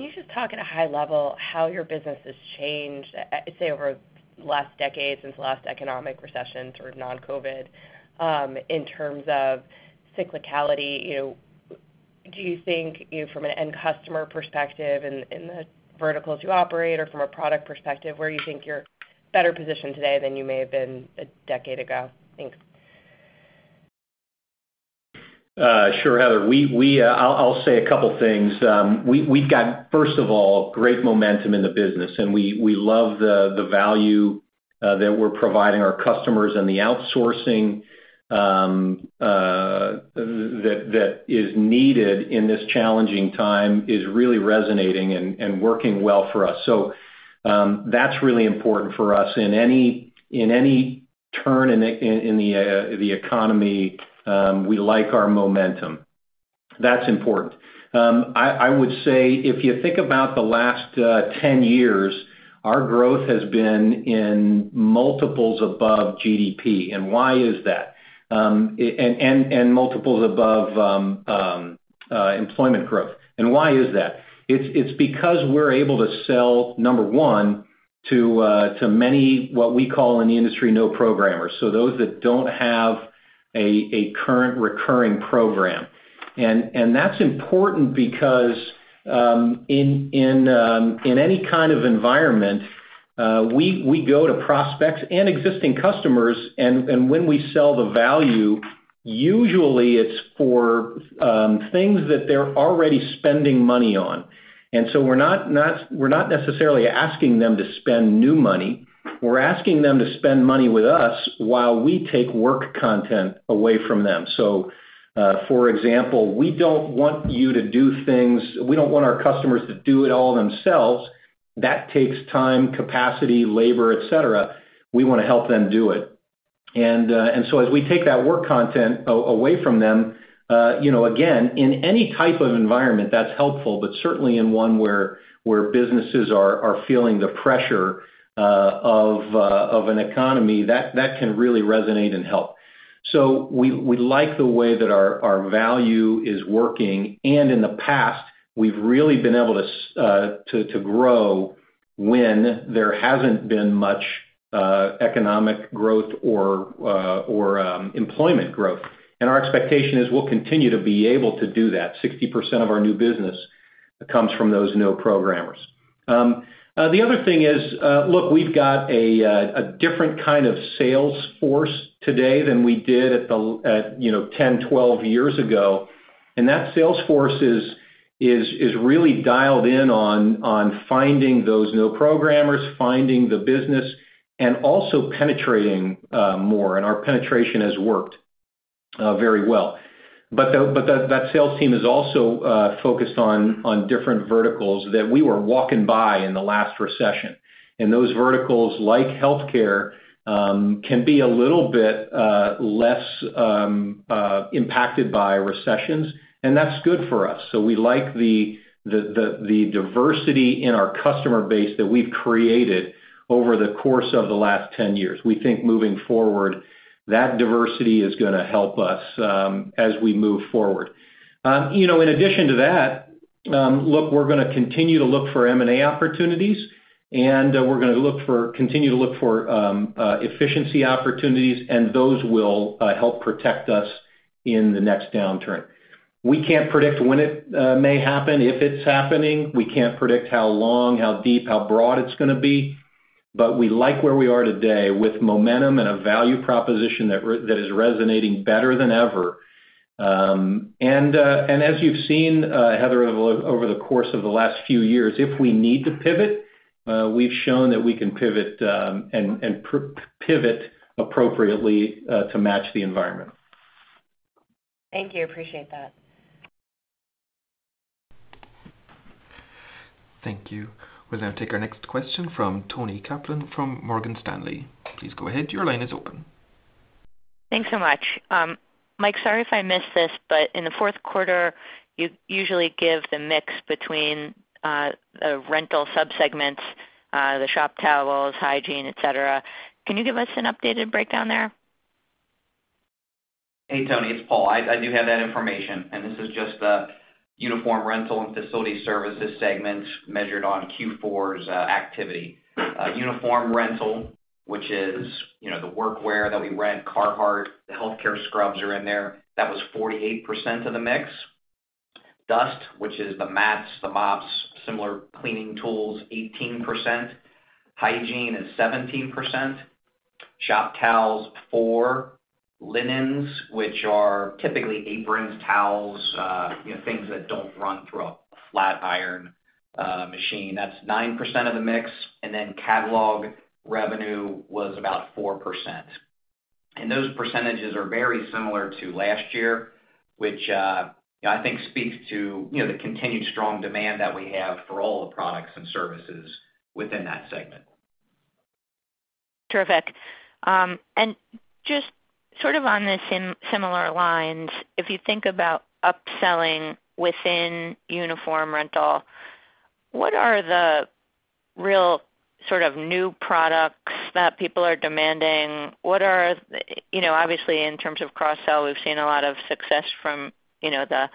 you just talk at a high level how your business has changed, say, over the last decade since the last economic recession, sort of non-COVID, in terms of cyclicality? You know, do you think, you know, from an end customer perspective in the verticals you operate or from a product perspective, where you think you're better positioned today than you may have been a decade ago? Thanks. Sure, Heather. I'll say a couple things. We've got, first of all, great momentum in the business, and we love the value that we're providing our customers and the outsourcing that is needed in this challenging time is really resonating and working well for us. That's really important for us. In any turn in the economy, we like our momentum. That's important. I would say if you think about the last 10 years, our growth has been in multiples above GDP and multiples above employment growth. Why is that? It's because we're able to sell, number one, to many, what we call in the industry, non-programmers, so those that don't have a current recurring program. That's important because in any kind of environment, we go to prospects and existing customers, and when we sell the value, usually it's for things that they're already spending money on. We're not necessarily asking them to spend new money. We're asking them to spend money with us while we take work content away from them. For example, we don't want our customers to do it all themselves. That takes time, capacity, labor, et cetera. We wanna help them do it. As we take that work content away from them, you know, again, in any type of environment that's helpful, but certainly in one where businesses are feeling the pressure of an economy that can really resonate and help. We like the way that our value is working, and in the past we've really been able to grow when there hasn't been much economic growth or employment growth. Our expectation is we'll continue to be able to do that. 60% of our new business comes from those non-programmers. The other thing is, look, we've got a different kind of sales force today than we did at, you know, 10, 12 years ago. That sales force is really dialed in on finding those non-programmers, finding the business and also penetrating more, and our penetration has worked very well. That sales team is also focused on different verticals that we were walking by in the last recession. Those verticals like Healthcare can be a little bit less impacted by recessions, and that's good for us. We like the diversity in our customer base that we've created over the course of the last 10 years. We think moving forward, that diversity is gonna help us as we move forward. You know, in addition to that, look, we're gonna continue to look for M&A opportunities, and we're gonna continue to look for efficiency opportunities, and those will help protect us in the next downturn. We can't predict when it may happen, if it's happening, we can't predict how long, how deep, how broad it's gonna be. We like where we are today with momentum and a value proposition that is resonating better than ever. As you've seen, Heather, over the course of the last few years, if we need to pivot, we've shown that we can pivot, and pivot appropriately, to match the environment. Thank you. Appreciate that. Thank you. We'll now take our next question from Toni Kaplan from Morgan Stanley. Please go ahead. Your line is open. Thanks so much. Mike, sorry if I missed this, but in the fourth quarter, you usually give the mix between the rental subsegments, the shop towels, hygiene, et cetera. Can you give us an updated breakdown there? Hey, Toni, it's Paul. I do have that information, and this is just the Uniform Rental and Facility Services segment measured on Q4's activity. Uniform Rental, which is, you know, the workwear that we rent, Carhartt, the Healthcare Scrubs are in there. That was 48% of the mix. Dust, which is the mats, the mops, similar cleaning tools, 18%. Hygiene is 17%. Shop towels, 4%. Linens, which are typically aprons, towels, you know, things that don't run through a flat iron machine, that's 9% of the mix. Catalog revenue was about 4%. Those percentages are very similar to last year, which I think speaks to, you know, the continued strong demand that we have for all the products and services within that segment. Terrific. Just sort of on the similar lines, if you think about upselling within Uniform Rental, what are the real sort of new products that people are demanding? What are you know, obviously, in terms of cross-sell, we've seen a lot of success from you know, the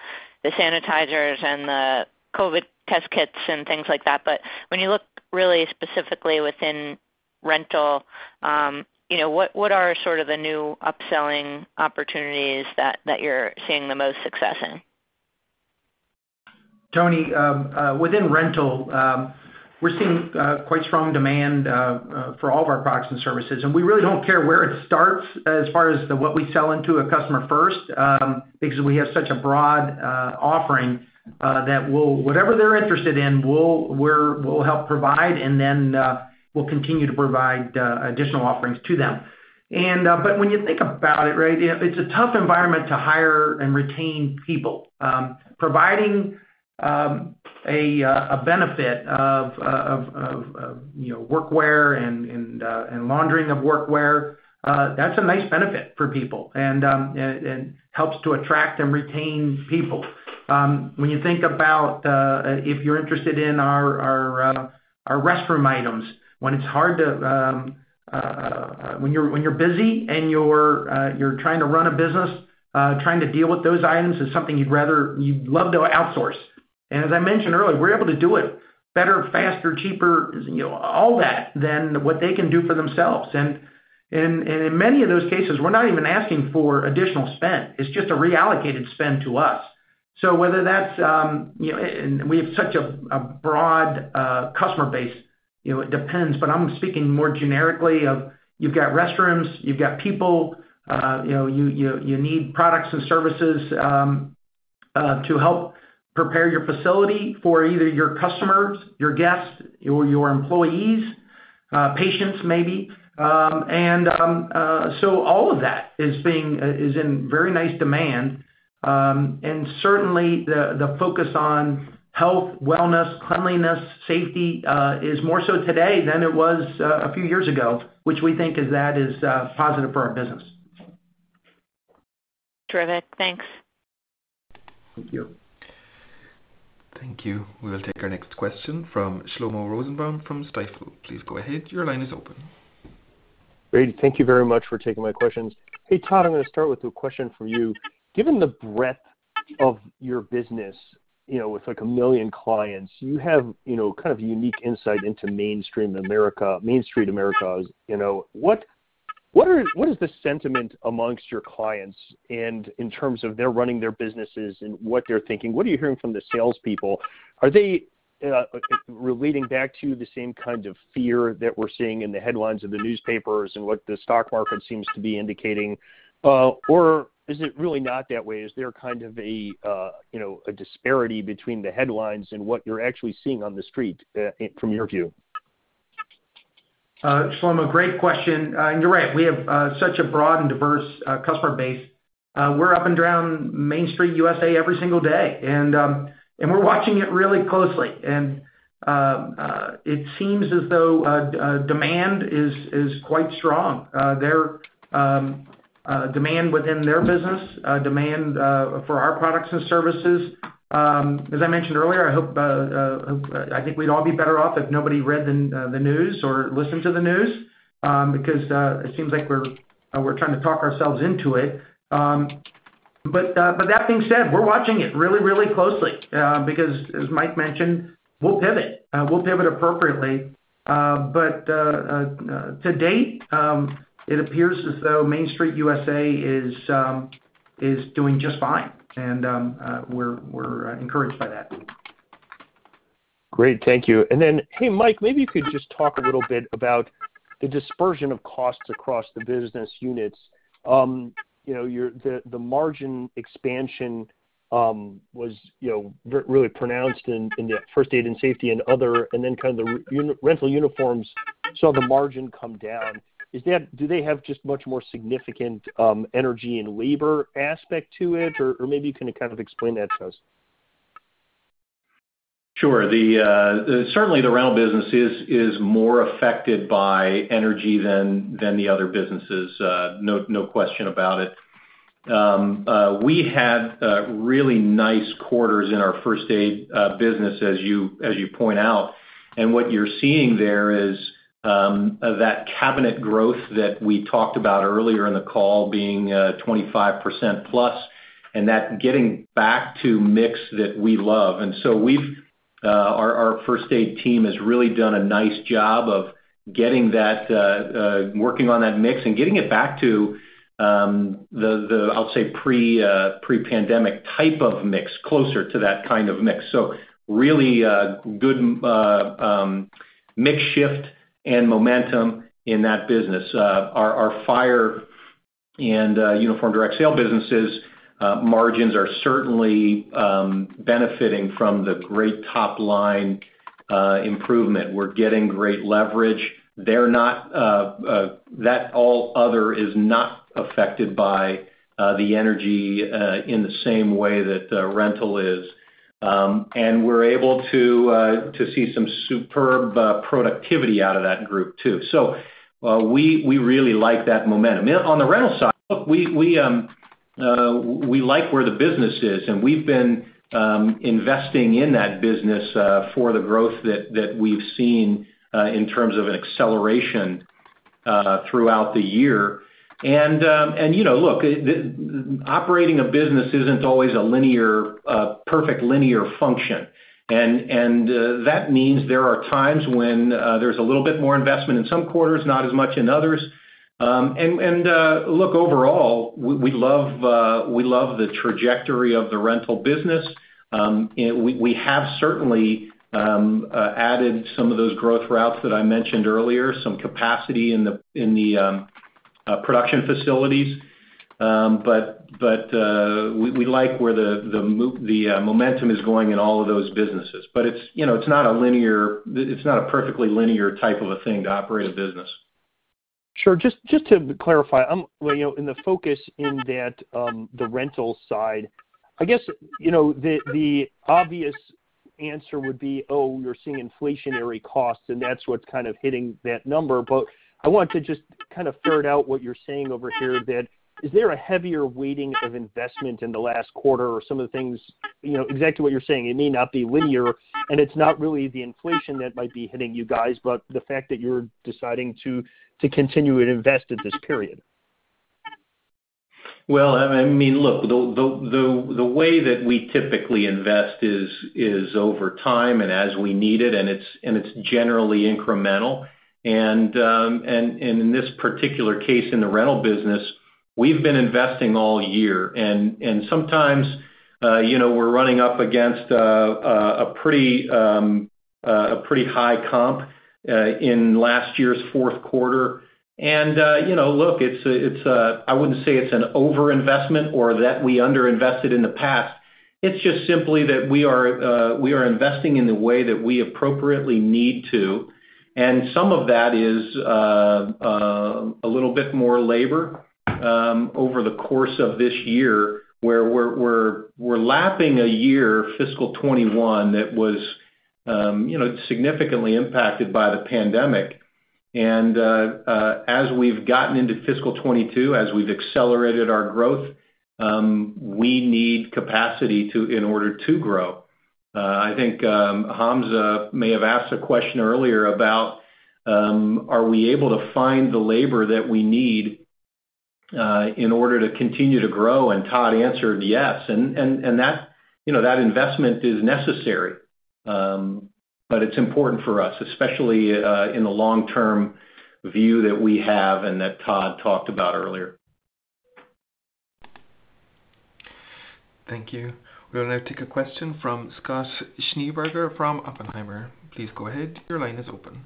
sanitizers and the COVID test kits and things like that. When you look really specifically within rental, you know, what are sort of the new upselling opportunities that you're seeing the most success in? Toni, within rental, we're seeing quite strong demand for all of our products and services. We really don't care where it starts as far as what we sell into a customer first, because we have such a broad offering that whatever they're interested in, we'll help provide, and then we'll continue to provide additional offerings to them. When you think about it, right, it's a tough environment to hire and retain people. Providing a benefit of, you know, workwear and laundering of workwear, that's a nice benefit for people and helps to attract and retain people. When you think about if you're interested in our restroom items, when you're busy and you're trying to run a business, trying to deal with those items is something you'd love to outsource. As I mentioned earlier, we're able to do it better, faster, cheaper, you know, all that than what they can do for themselves. In many of those cases, we're not even asking for additional spend. It's just a reallocated spend to us. Whether that's, you know. We have such a broad customer base, you know, it depends, but I'm speaking more generically of you've got restrooms, you've got people, you know, you need products and services to help prepare your facility for either your customers, your guests, your employees, patients maybe. So all of that is in very nice demand. Certainly the focus on health, wellness, cleanliness, safety is more so today than it was a few years ago, which we think is positive for our business. Terrific. Thanks. Thank you. Thank you. We'll take our next question from Shlomo Rosenbaum from Stifel. Please go ahead. Your line is open. Great. Thank you very much for taking my questions. Hey, Todd, I'm gonna start with a question for you. Given the breadth of your business, you know, with like 1 million clients, you have, you know, kind of unique insight into mainstream America, Main Street America's, you know. What is the sentiment amongst your clients and in terms of they're running their businesses and what they're thinking? What are you hearing from the salespeople? Are they relating back to the same kind of fear that we're seeing in the headlines of the newspapers and what the stock market seems to be indicating? Or is it really not that way? Is there kind of a, you know, a disparity between the headlines and what you're actually seeing on the street, from your view? Shlomo, great question. You're right, we have such a broad and diverse customer base. We're up and down Main Street USA every single day. We're watching it really closely. It seems as though demand is quite strong. Their demand within their business for our products and services. As I mentioned earlier, I hope I think we'd all be better off if nobody read the news or listened to the news, because it seems like we're trying to talk ourselves into it. That being said, we're watching it really closely, because, as Mike mentioned, we'll pivot. We'll pivot appropriately. To date, it appears as though Main Street USA is doing just fine, and we're encouraged by that. Great, thank you. Then, hey, Mike, maybe you could just talk a little bit about the dispersion of costs across the business units. You know, the margin expansion was, you know, really pronounced in the First Aid and Safety and other, and then kind of the rental uniforms saw the margin come down. Is that? Do they have just much more significant energy and labor aspect to it? Or maybe you can kind of explain that to us. Sure. Certainly, the rental business is more affected by energy than the other businesses, no question about it. We had really nice quarters in our First Aid business, as you point out. What you're seeing there is that cabinet growth that we talked about earlier in the call being 25% plus, and that getting back to mix that we love. Our first aid team has really done a nice job of getting that working on that mix and getting it back to the, I'll say, pre-pandemic type of mix, closer to that kind of mix. Really good mix shift and momentum in that business. Our Fire and Uniform Direct Sale businesses' margins are certainly benefiting from the great top line improvement. We're getting great leverage. They're not affected by the energy in the same way that the rental is. We're able to see some superb productivity out of that group too. So we really like that momentum. On the rental side, we like where the business is, and we've been investing in that business for the growth that we've seen in terms of an acceleration throughout the year. You know, look, operating a business isn't always a perfectly linear function. That means there are times when there's a little bit more investment in some quarters, not as much in others. Look, overall, we love the trajectory of the rental business. We have certainly added some of those growth routes that I mentioned earlier, some capacity in the production facilities. We like where the momentum is going in all of those businesses. It's, you know, it's not a perfectly linear type of a thing to operate a business. Sure. Just to clarify, you know, in the focus in that, the rental side, I guess, you know, the obvious answer would be, oh, you're seeing inflationary costs, and that's what's kind of hitting that number. But I want to just kind of ferret out what you're saying over here that is there a heavier weighting of investment in the last quarter or some of the things, you know, exactly what you're saying. It may not be linear, and it's not really the inflation that might be hitting you guys, but the fact that you're deciding to continue to invest in this period. Well, I mean, look, the way that we typically invest is over time and as we need it, and it's generally incremental. In this particular case, in the rental business, we've been investing all year. Sometimes, you know, we're running up against a pretty high comp in last year's fourth quarter. You know, look, I wouldn't say it's an overinvestment or that we underinvested in the past. It's just simply that we are investing in the way that we appropriately need to, and some of that is a little bit more labor over the course of this year, where we're lapping a year fiscal 2021 that was, you know, significantly impacted by the pandemic. As we've gotten into fiscal 2022, as we've accelerated our growth, we need capacity to in order to grow. I think Hamza may have asked a question earlier about are we able to find the labor that we need in order to continue to grow? Todd answered yes. That, you know, that investment is necessary. It's important for us, especially, in the long-term view that we have and that Todd talked about earlier. Thank you. We'll now take a question from Scott Schneeberger from Oppenheimer. Please go ahead. Your line is open.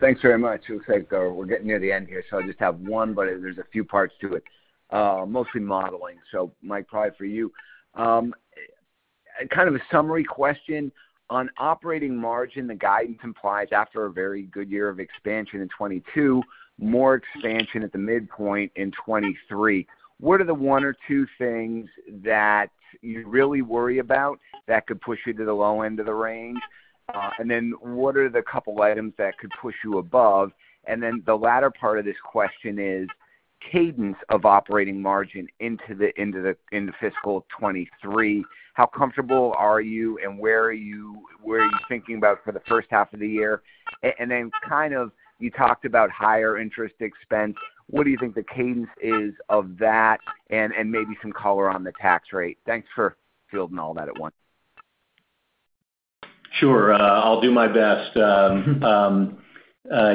Thanks very much. Looks like, we're getting near the end here, so I just have one, but there's a few parts to it, mostly modeling. Mike, probably for you. Kind of a summary question. On operating margin, the guidance implies after a very good year of expansion in 2022, more expansion at the midpoint in 2023. What are the one or two things that you really worry about that could push you to the low end of the range? And then what are the couple items that could push you above? And then the latter part of this question is cadence of operating margin into fiscal 2023. How comfortable are you, and where are you thinking about for the first half of the year? And then kind of you talked about higher interest expense. What do you think the cadence is of that? And maybe some color on the tax rate. Thanks for fielding all that at once. Sure. I'll do my best.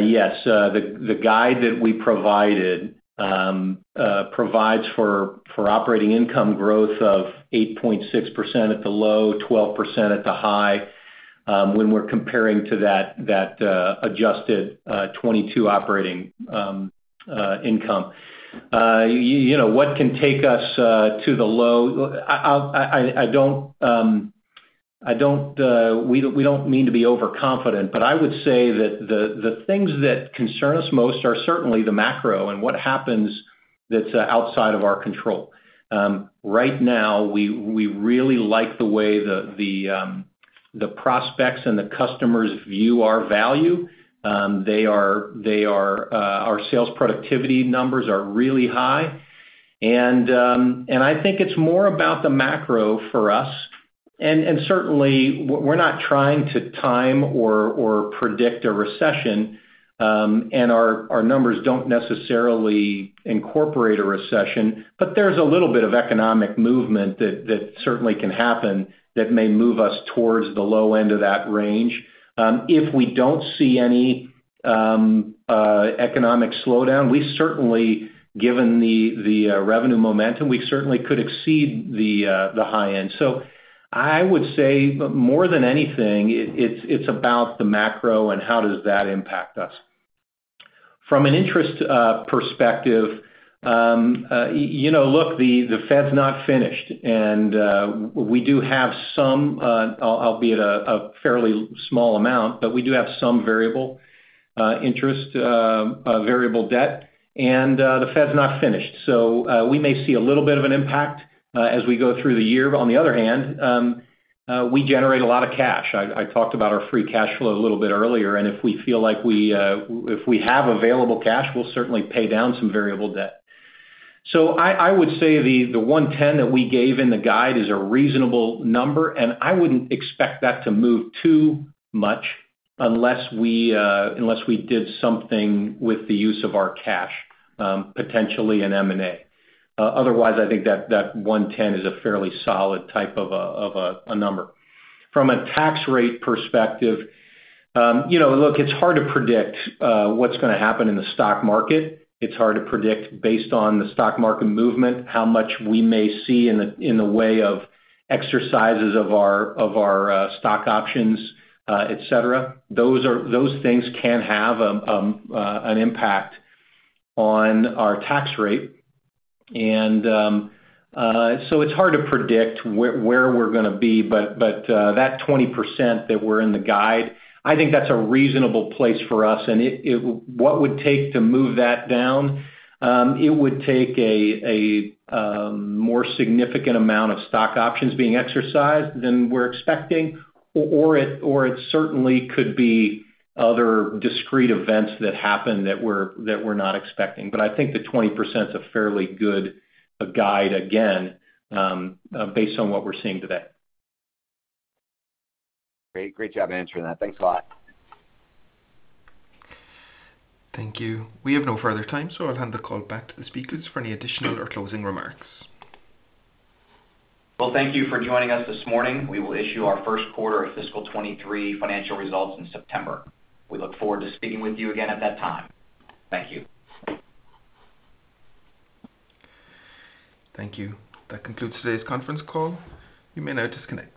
Yes, the guide that we provided provides for operating income growth of 8.6% at the low, 12% at the high, when we're comparing to that adjusted 22% operating income. You know, what can take us to the low? I don't, we don't mean to be overconfident, but I would say that the things that concern us most are certainly the macro and what happens that's outside of our control. Right now, we really like the way the prospects and the customers view our value. They are our sales productivity numbers are really high. I think it's more about the macro for us. Certainly we're not trying to time or predict a recession. Our numbers don't necessarily incorporate a recession, but there's a little bit of economic movement that certainly can happen that may move us towards the low end of that range. If we don't see any economic slowdown, we certainly given the revenue momentum, we certainly could exceed the high end. I would say more than anything, it's about the macro and how does that impact us. From an interest perspective, you know, look, the Fed's not finished, and we do have some, albeit a fairly small amount, but we do have some variable interest variable debt, and the Fed's not finished. We may see a little bit of an impact as we go through the year. On the other hand, we generate a lot of cash. I talked about our free cash flow a little bit earlier, and if we have available cash, we'll certainly pay down some variable debt. I would say the 110 that we gave in the guide is a reasonable number, and I wouldn't expect that to move too much unless we did something with the use of our cash, potentially in M&A. Otherwise, I think that 110 is a fairly solid type of a number. From a tax rate perspective, you know, look, it's hard to predict what's gonna happen in the stock market. It's hard to predict based on the stock market movement, how much we may see in the way of exercises of our stock options, et cetera. Those things can have an impact on our tax rate. It's hard to predict where we're gonna be, but that 20% that we're in the guide, I think that's a reasonable place for us. What would take to move that down, it would take a more significant amount of stock options being exercised than we're expecting, or it certainly could be other discrete events that happen that we're not expecting. I think the 20% is a fairly good guide again, based on what we're seeing today. Great. Great job answering that. Thanks a lot. Thank you. We have no further time, so I'll hand the call back to the speakers for any additional or closing remarks. Well, thank you for joining us this morning. We will issue our first quarter of fiscal 2023 financial results in September. We look forward to speaking with you again at that time. Thank you. Thank you. That concludes today's conference call. You may now disconnect.